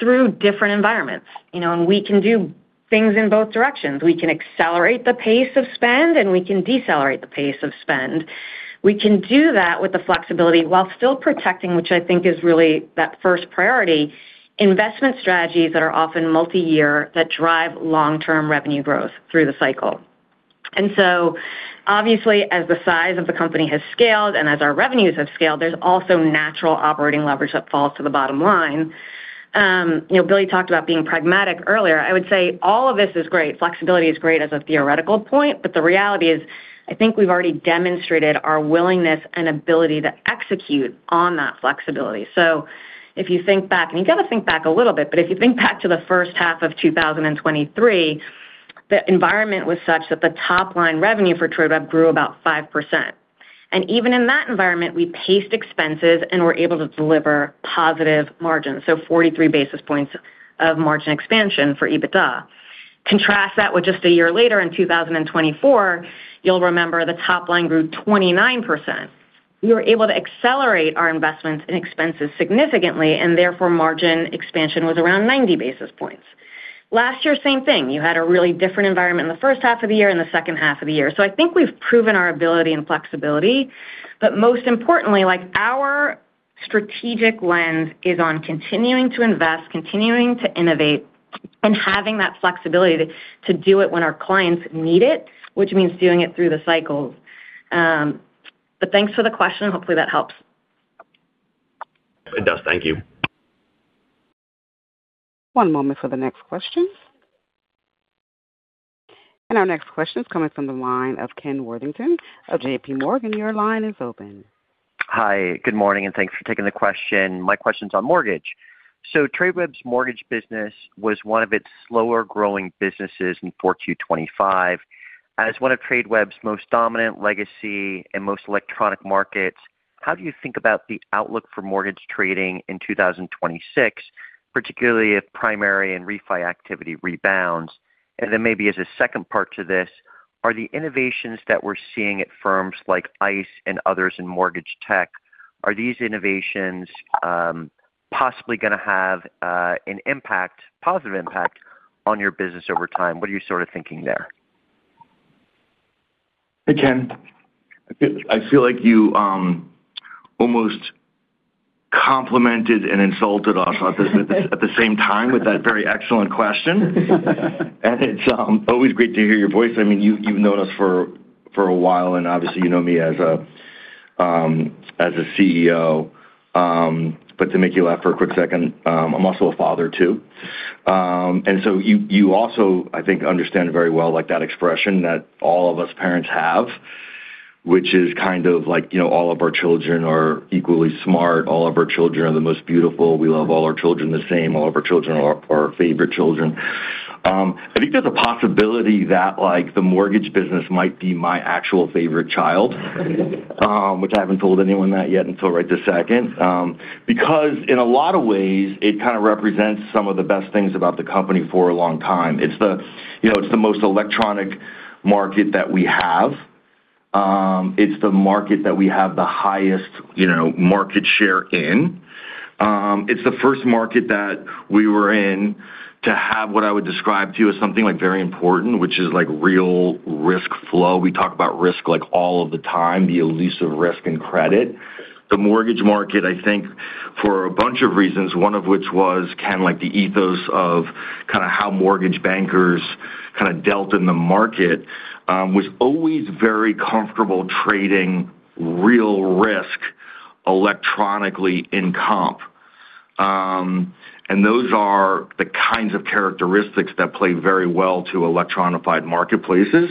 through different environments. And we can do things in both directions. We can accelerate the pace of spend, and we can decelerate the pace of spend. We can do that with the flexibility while still protecting, which I think is really that first priority, investment strategies that are often multi-year that drive long-term revenue growth through the cycle. And so, obviously, as the size of the company has scaled and as our revenues have scaled, there's also natural operating leverage that falls to the bottom line. Billy talked about being pragmatic earlier. I would say all of this is great. Flexibility is great as a theoretical point. But the reality is, I think we've already demonstrated our willingness and ability to execute on that flexibility. So if you think back and you got to think back a little bit. But if you think back to the first half of 2023, the environment was such that the top-line revenue for Tradeweb grew about 5%. And even in that environment, we paced expenses and were able to deliver positive margins, so 43 basis points of margin expansion for EBITDA. Contrast that with just a year later, in 2024, you'll remember the top-line grew 29%. We were able to accelerate our investments and expenses significantly, and therefore, margin expansion was around 90 basis points. Last year, same thing. You had a really different environment in the first half of the year and the second half of the year. So I think we've proven our ability and flexibility. But most importantly, our strategic lens is on continuing to invest, continuing to innovate, and having that flexibility to do it when our clients need it, which means doing it through the cycles. But thanks for the question. Hopefully, that helps. It does. Thank you. One moment for the next question. Our next question is coming from the line of Ken Worthington of J.P. Morgan. Your line is open. Hi. Good morning. And thanks for taking the question. My question's on mortgage. So Tradeweb's mortgage business was one of its slower-growing businesses in 2025. As one of Tradeweb's most dominant legacy and most electronic markets, how do you think about the outlook for mortgage trading in 2026, particularly if primary and refi activity rebounds? And then maybe as a second part to this, are the innovations that we're seeing at firms like ICE and others in mortgage tech, are these innovations possibly going to have an impact, positive impact, on your business over time? What are you sort of thinking there? Hey, Ken. I feel like you almost complimented and insulted us at the same time with that very excellent question. It's always great to hear your voice. I mean, you've known us for a while. Obviously, you know me as a CEO. But to make you laugh for a quick second, I'm also a father too. So you also, I think, understand very well that expression that all of us parents have, which is kind of all of our children are equally smart, all of our children are the most beautiful, we love all our children the same, all of our children are our favorite children. I think there's a possibility that the mortgage business might be my actual favorite child, which I haven't told anyone that yet until right this second, because in a lot of ways, it kind of represents some of the best things about the company for a long time. It's the most electronic market that we have. It's the market that we have the highest market share in. It's the first market that we were in to have what I would describe to you as something very important, which is real risk flow. We talk about risk all of the time, the elusive risk and credit. The mortgage market, I think, for a bunch of reasons, one of which was, Ken, the ethos of kind of how mortgage bankers kind of dealt in the market, was always very comfortable trading real risk electronically in comp. Those are the kinds of characteristics that play very well to electronified marketplaces.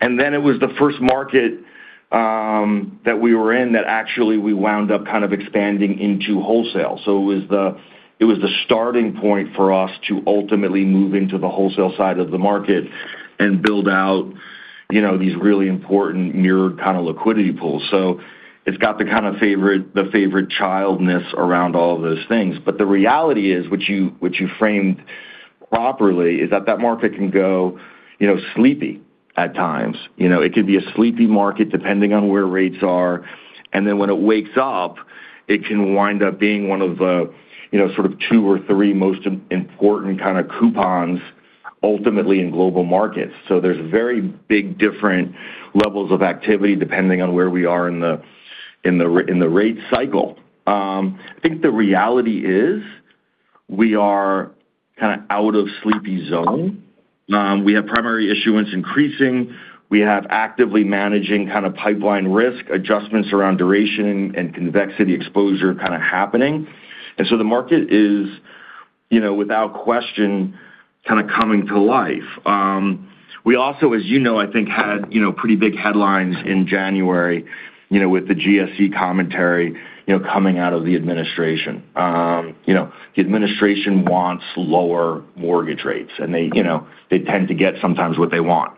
And then it was the first market that we were in that actually we wound up kind of expanding into wholesale. So it was the starting point for us to ultimately move into the wholesale side of the market and build out these really important mirrored kind of liquidity pools. So it's got the kind of favorite childness around all of those things. But the reality is, which you framed properly, is that that market can go sleepy at times. It can be a sleepy market depending on where rates are. And then when it wakes up, it can wind up being one of the sort of two or three most important kind of coupons, ultimately, in global markets. So there's very big different levels of activity depending on where we are in the rate cycle. I think the reality is we are kind of out of sleepy zone. We have primary issuance increasing. We have actively managing kind of pipeline risk, adjustments around duration and convexity exposure kind of happening. So the market is, without question, kind of coming to life. We also, as you know, I think, had pretty big headlines in January with the GSE commentary coming out of the administration. The administration wants lower mortgage rates, and they tend to get sometimes what they want.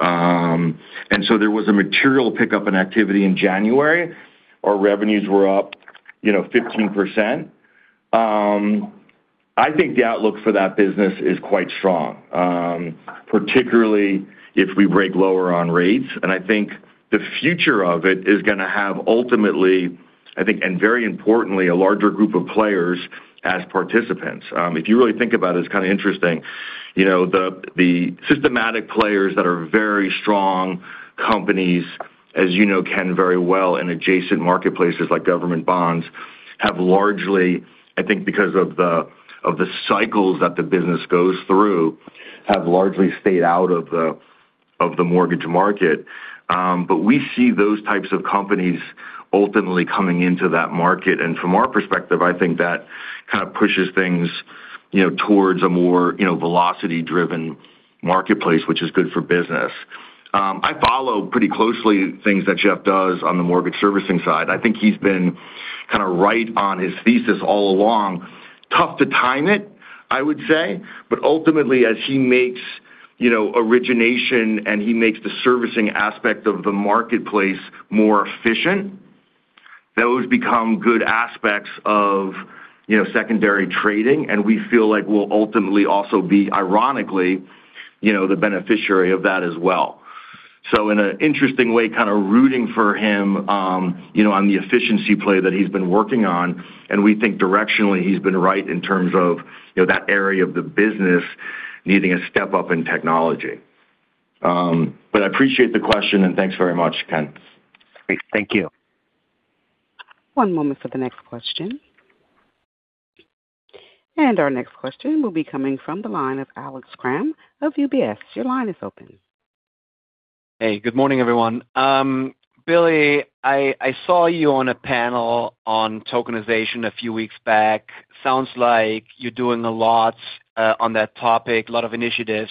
So there was a material pickup in activity in January. Our revenues were up 15%. I think the outlook for that business is quite strong, particularly if we break lower on rates. I think the future of it is going to have, ultimately, I think, and very importantly, a larger group of players as participants. If you really think about it, it's kind of interesting. The systematic players that are very strong companies, as you know, Ken, very well in adjacent marketplaces like government bonds, have largely, I think, because of the cycles that the business goes through, have largely stayed out of the mortgage market. But we see those types of companies ultimately coming into that market. And from our perspective, I think that kind of pushes things towards a more velocity-driven marketplace, which is good for business. I follow pretty closely things that Jeff does on the mortgage servicing side. I think he's been kind of right on his thesis all along. Tough to time it, I would say. But ultimately, as he makes origination and he makes the servicing aspect of the marketplace more efficient, those become good aspects of secondary trading. We feel like we'll ultimately also be, ironically, the beneficiary of that as well. So in an interesting way, kind of rooting for him on the efficiency play that he's been working on. And we think directionally, he's been right in terms of that area of the business needing a step up in technology. But I appreciate the question, and thanks very much, Ken. Great. Thank you. One moment for the next question. Our next question will be coming from the line of Alex Kramm of UBS. Your line is open. Hey. Good morning, everyone. Billy, I saw you on a panel on tokenization a few weeks back. Sounds like you're doing a lot on that topic, a lot of initiatives.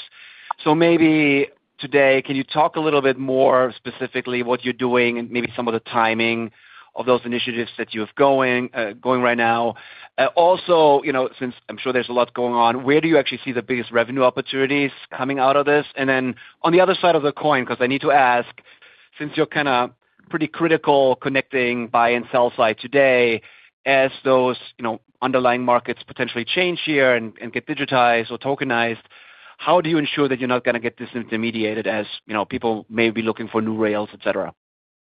So maybe today, can you talk a little bit more specifically what you're doing and maybe some of the timing of those initiatives that you have going right now? Also, since I'm sure there's a lot going on, where do you actually see the biggest revenue opportunities coming out of this? And then on the other side of the coin, because I need to ask, since you're kind of pretty critical connecting buy and sell side today, as those underlying markets potentially change here and get digitized or tokenized, how do you ensure that you're not going to get this intermediated as people may be looking for new rails, etc.?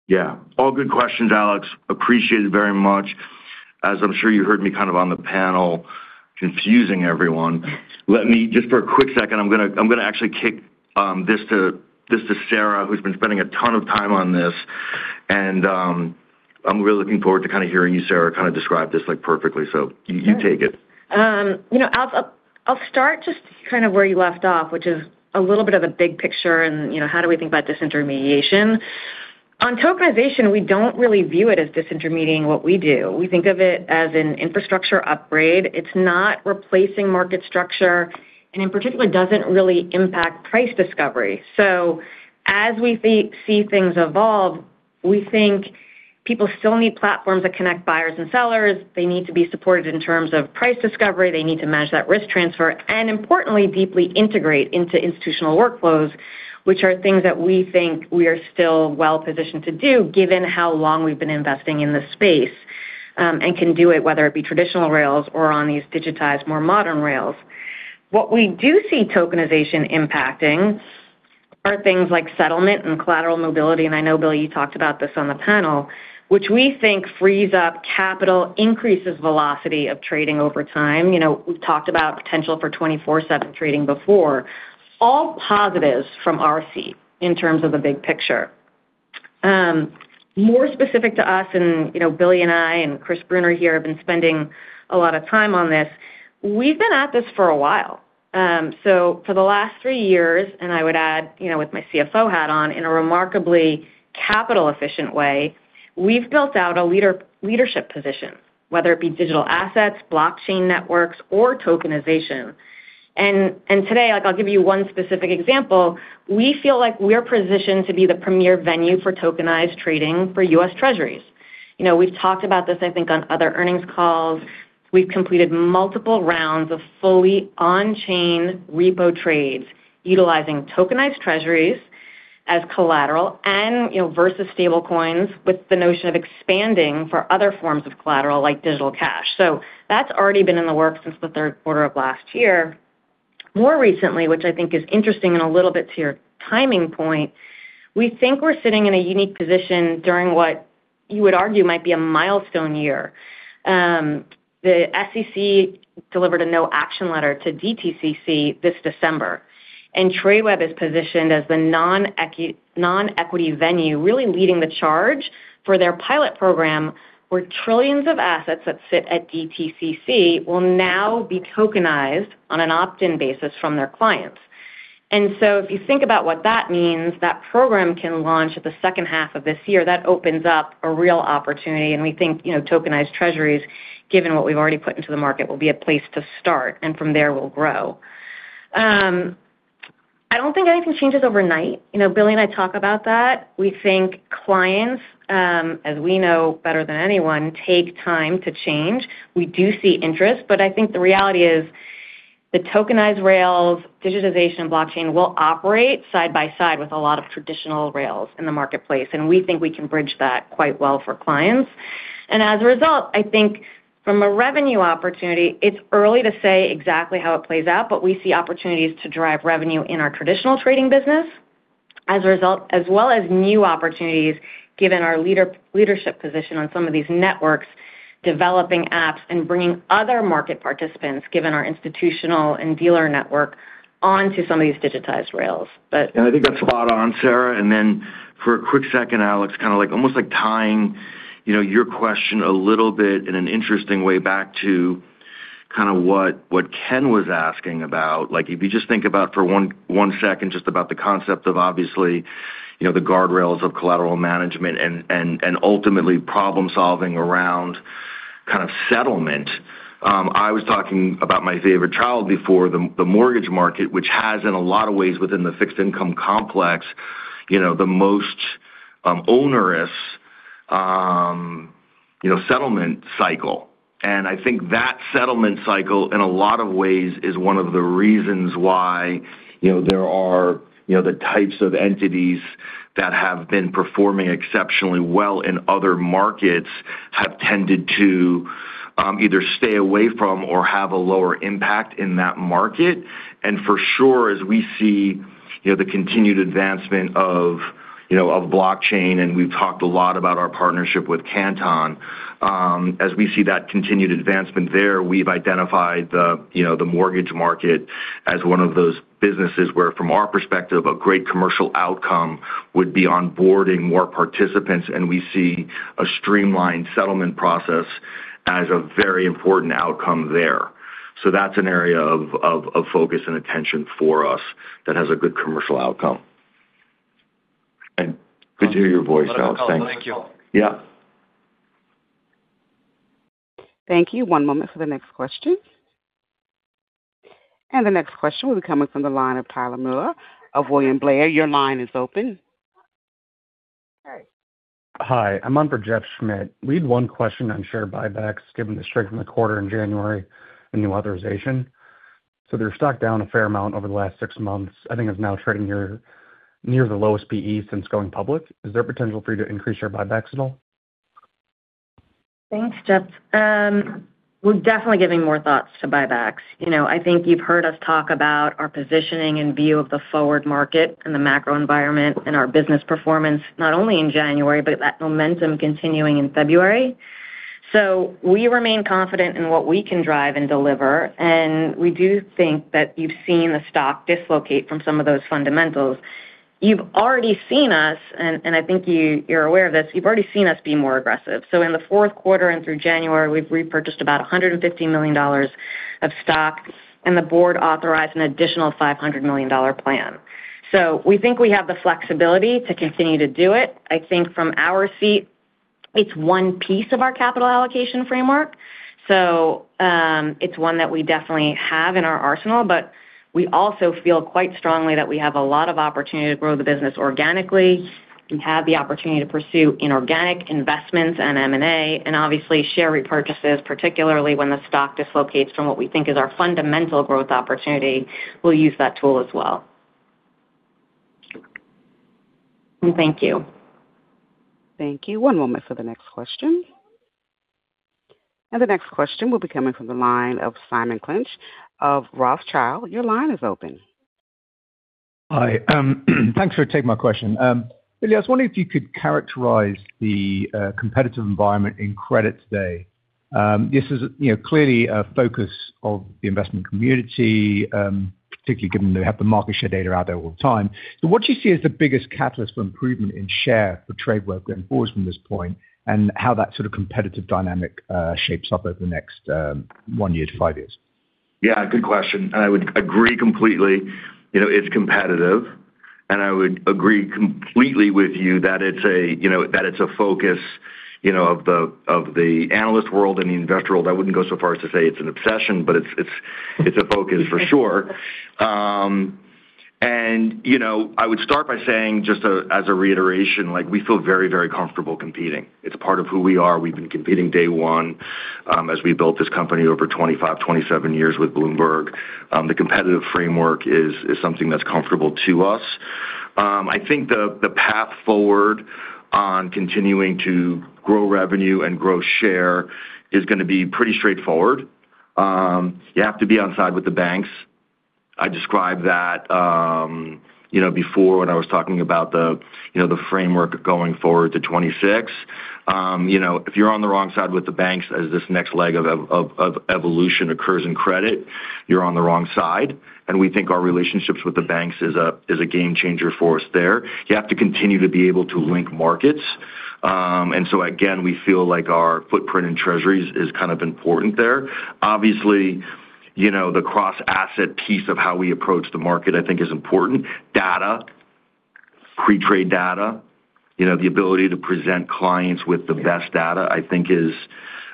Yeah. All good questions, Alex. Appreciate it very much. As I'm sure you heard me kind of on the panel confusing everyone, just for a quick second, I'm going to actually kick this to Sara, who's been spending a ton of time on this. And I'm really looking forward to kind of hearing you, Sara, kind of describe this perfectly. So you take it. Yeah. Alex, I'll start just kind of where you left off, which is a little bit of the big picture and how do we think about disintermediation. On tokenization, we don't really view it as disintermediating what we do. We think of it as an infrastructure upgrade. It's not replacing market structure and, in particular, doesn't really impact price discovery. So as we see things evolve, we think people still need platforms that connect buyers and sellers. They need to be supported in terms of price discovery. They need to manage that risk transfer and, importantly, deeply integrate into institutional workflows, which are things that we think we are still well-positioned to do given how long we've been investing in this space and can do it, whether it be traditional rails or on these digitized, more modern rails. What we do see tokenization impacting are things like settlement and collateral mobility. And I know, Billy, you talked about this on the panel, which we think frees up capital, increases velocity of trading over time. We've talked about potential for 24/7 trading before, all positives from our seat in terms of the big picture. More specific to us, and Billy and I and Chris Bruner here have been spending a lot of time on this. We've been at this for a while. So for the last three years, and I would add with my CFO hat on, in a remarkably capital-efficient way, we've built out a leadership position, whether it be digital assets, blockchain networks, or tokenization. And today, I'll give you one specific example. We feel like we're positioned to be the premier venue for tokenized trading for U.S. Treasuries. We've talked about this, I think, on other earnings calls. We've completed multiple rounds of fully on-chain repo trades utilizing tokenized Treasuries as collateral versus stablecoins with the notion of expanding for other forms of collateral like digital cash. So that's already been in the works since the third quarter of last year. More recently, which I think is interesting and a little bit to your timing point, we think we're sitting in a unique position during what you would argue might be a milestone year. The SEC delivered a No-Action Letter to DTCC this December. Tradeweb is positioned as the non-equity venue, really leading the charge for their pilot program where trillions of assets that sit at DTCC will now be tokenized on an opt-in basis from their clients. And so if you think about what that means, that program can launch at the second half of this year. That opens up a real opportunity. And we think tokenized Treasuries, given what we've already put into the market, will be a place to start, and from there, we'll grow. I don't think anything changes overnight. Billy and I talk about that. We think clients, as we know better than anyone, take time to change. We do see interest. But I think the reality is the tokenized rails, digitization, and blockchain will operate side by side with a lot of traditional rails in the marketplace. And we think we can bridge that quite well for clients. And as a result, I think from a revenue opportunity, it's early to say exactly how it plays out. But we see opportunities to drive revenue in our traditional trading business as well as new opportunities, given our leadership position on some of these networks, developing apps, and bringing other market participants, given our institutional and dealer network, onto some of these digitized rails. But. And I think that's spot on, Sarah. And then for a quick second, Alex, kind of almost tying your question a little bit in an interesting way back to kind of what Ken was asking about, if you just think about for one second just about the concept of, obviously, the guardrails of collateral management and ultimately problem-solving around kind of settlement. I was talking about my favorite child before, the mortgage market, which has, in a lot of ways, within the fixed-income complex, the most onerous settlement cycle. And I think that settlement cycle, in a lot of ways, is one of the reasons why there are the types of entities that have been performing exceptionally well in other markets have tended to either stay away from or have a lower impact in that market. For sure, as we see the continued advancement of blockchain, and we've talked a lot about our partnership with Canton, as we see that continued advancement there, we've identified the mortgage market as one of those businesses where, from our perspective, a great commercial outcome would be onboarding more participants. We see a streamlined settlement process as a very important outcome there. That's an area of focus and attention for us that has a good commercial outcome. Good to hear your voice, Alex. Thanks. Oh, no. Thank you. Yeah. Thank you. One moment for the next question. The next question will be coming from the line of Taylor Miller of William Blair. Your line is open. Hi. I'm on for Jeff Schmitt. We had one question on share buybacks, given the strength of the quarter in January and new authorization. So the stock's down a fair amount over the last six months. I think it's now trading near the lowest PE since going public. Is there potential for you to increase your buybacks at all? Thanks, Jeff. We're definitely giving more thoughts to buybacks. I think you've heard us talk about our positioning and view of the forward market and the macro environment and our business performance, not only in January, but that momentum continuing in February. So we remain confident in what we can drive and deliver. And we do think that you've seen the stock dislocate from some of those fundamentals. You've already seen us, and I think you're aware of this, you've already seen us be more aggressive. So in the fourth quarter and through January, we've repurchased about $150 million of stock, and the board authorized an additional $500 million plan. So we think we have the flexibility to continue to do it. I think from our seat, it's one piece of our capital allocation framework. So it's one that we definitely have in our arsenal. But we also feel quite strongly that we have a lot of opportunity to grow the business organically. We have the opportunity to pursue inorganic investments and M&A. And obviously, share repurchases, particularly when the stock dislocates from what we think is our fundamental growth opportunity, we'll use that tool as well. And thank you. Thank you. One moment for the next question. And the next question will be coming from the line of Simon Clinch of Redburn. Your line is open. Hi. Thanks for taking my question. Billy, I was wondering if you could characterize the competitive environment in credit today. This is clearly a focus of the investment community, particularly given they have the market share data out there all the time. So what do you see as the biggest catalyst for improvement in share for Tradeweb going forward from this point and how that sort of competitive dynamic shapes up over the next one year to five years? Yeah. Good question. I would agree completely. It's competitive. I would agree completely with you that it's a focus of the analyst world and the investor world. I wouldn't go so far as to say it's an obsession, but it's a focus for sure. I would start by saying just as a reiteration, we feel very, very comfortable competing. It's part of who we are. We've been competing day one as we built this company over 25, 27 years with Bloomberg. The competitive framework is something that's comfortable to us. I think the path forward on continuing to grow revenue and grow share is going to be pretty straightforward. You have to be on side with the banks. I described that before when I was talking about the framework going forward to 2026. If you're on the wrong side with the banks as this next leg of evolution occurs in credit, you're on the wrong side. We think our relationships with the banks is a game-changer for us there. You have to continue to be able to link markets. So again, we feel like our footprint in Treasuries is kind of important there. Obviously, the cross-asset piece of how we approach the market, I think, is important. Data, pre-trade data, the ability to present clients with the best data, I think is,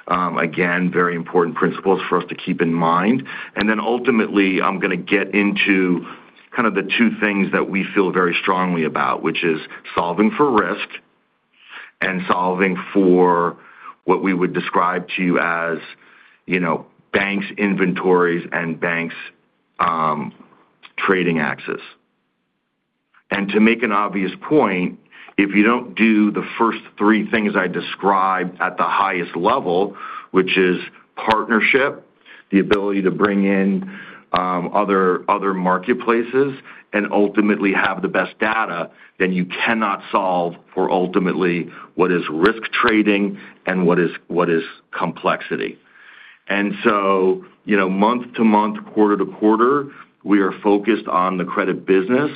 again, very important principles for us to keep in mind. Then ultimately, I'm going to get into kind of the two things that we feel very strongly about, which is solving for risk and solving for what we would describe to you as banks' inventories and banks' trading access. To make an obvious point, if you don't do the first three things I described at the highest level, which is partnership, the ability to bring in other marketplaces, and ultimately have the best data, then you cannot solve for ultimately what is risk trading and what is complexity. And so month to month, quarter-to-quarter, we are focused on the credit business.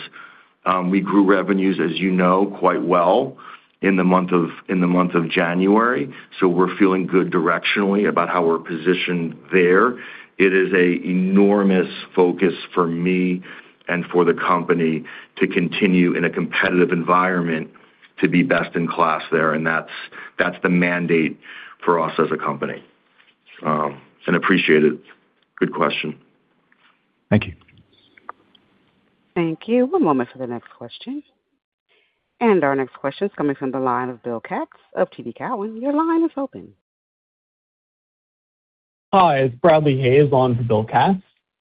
We grew revenues, as you know, quite well in the month of January. So we're feeling good directionally about how we're positioned there. It is an enormous focus for me and for the company to continue in a competitive environment, to be best in class there. And that's the mandate for us as a company. And appreciate it. Good question. Thank you. Thank you. One moment for the next question. Our next question is coming from the line of Bill Katz of TD Cowen. Your line is open. Hi. It's Bradley Hayes on for Bill Katz.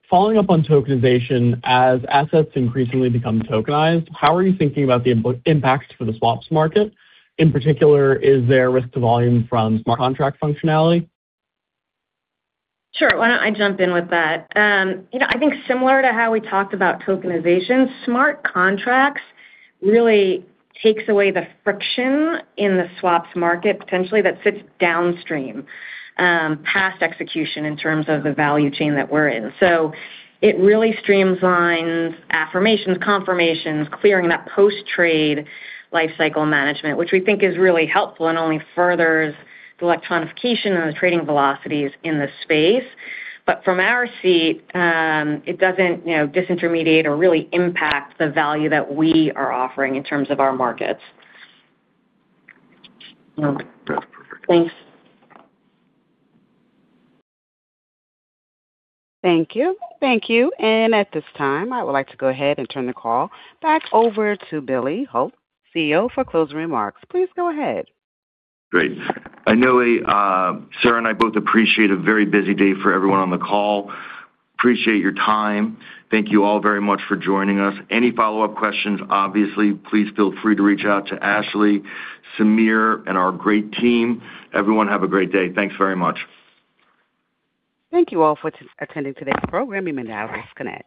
Following up on tokenization, as assets increasingly become tokenized, how are you thinking about the impact for the swaps market? In particular, is there risk to volume from smart contract functionality? Sure. Why don't I jump in with that? I think similar to how we talked about tokenization, smart contracts really takes away the friction in the swaps market, potentially, that sits downstream past execution in terms of the value chain that we're in. So it really streamlines affirmations, confirmations, clearing that post-trade lifecycle management, which we think is really helpful and only furthers the electronification and the trading velocities in this space. But from our seat, it doesn't disintermediate or really impact the value that we are offering in terms of our markets. Thanks. Thank you. Thank you. At this time, I would like to go ahead and turn the call back over to Billy Hult, CEO, for closing remarks. Please go ahead. Great. I know, Sara and I, both appreciate a very busy day for everyone on the call. Appreciate your time. Thank you all very much for joining us. Any follow-up questions, obviously, please feel free to reach out to Ashley, Sameer, and our great team. Everyone, have a great day. Thanks very much. Thank you all for attending today's program. You may now rest. Good night.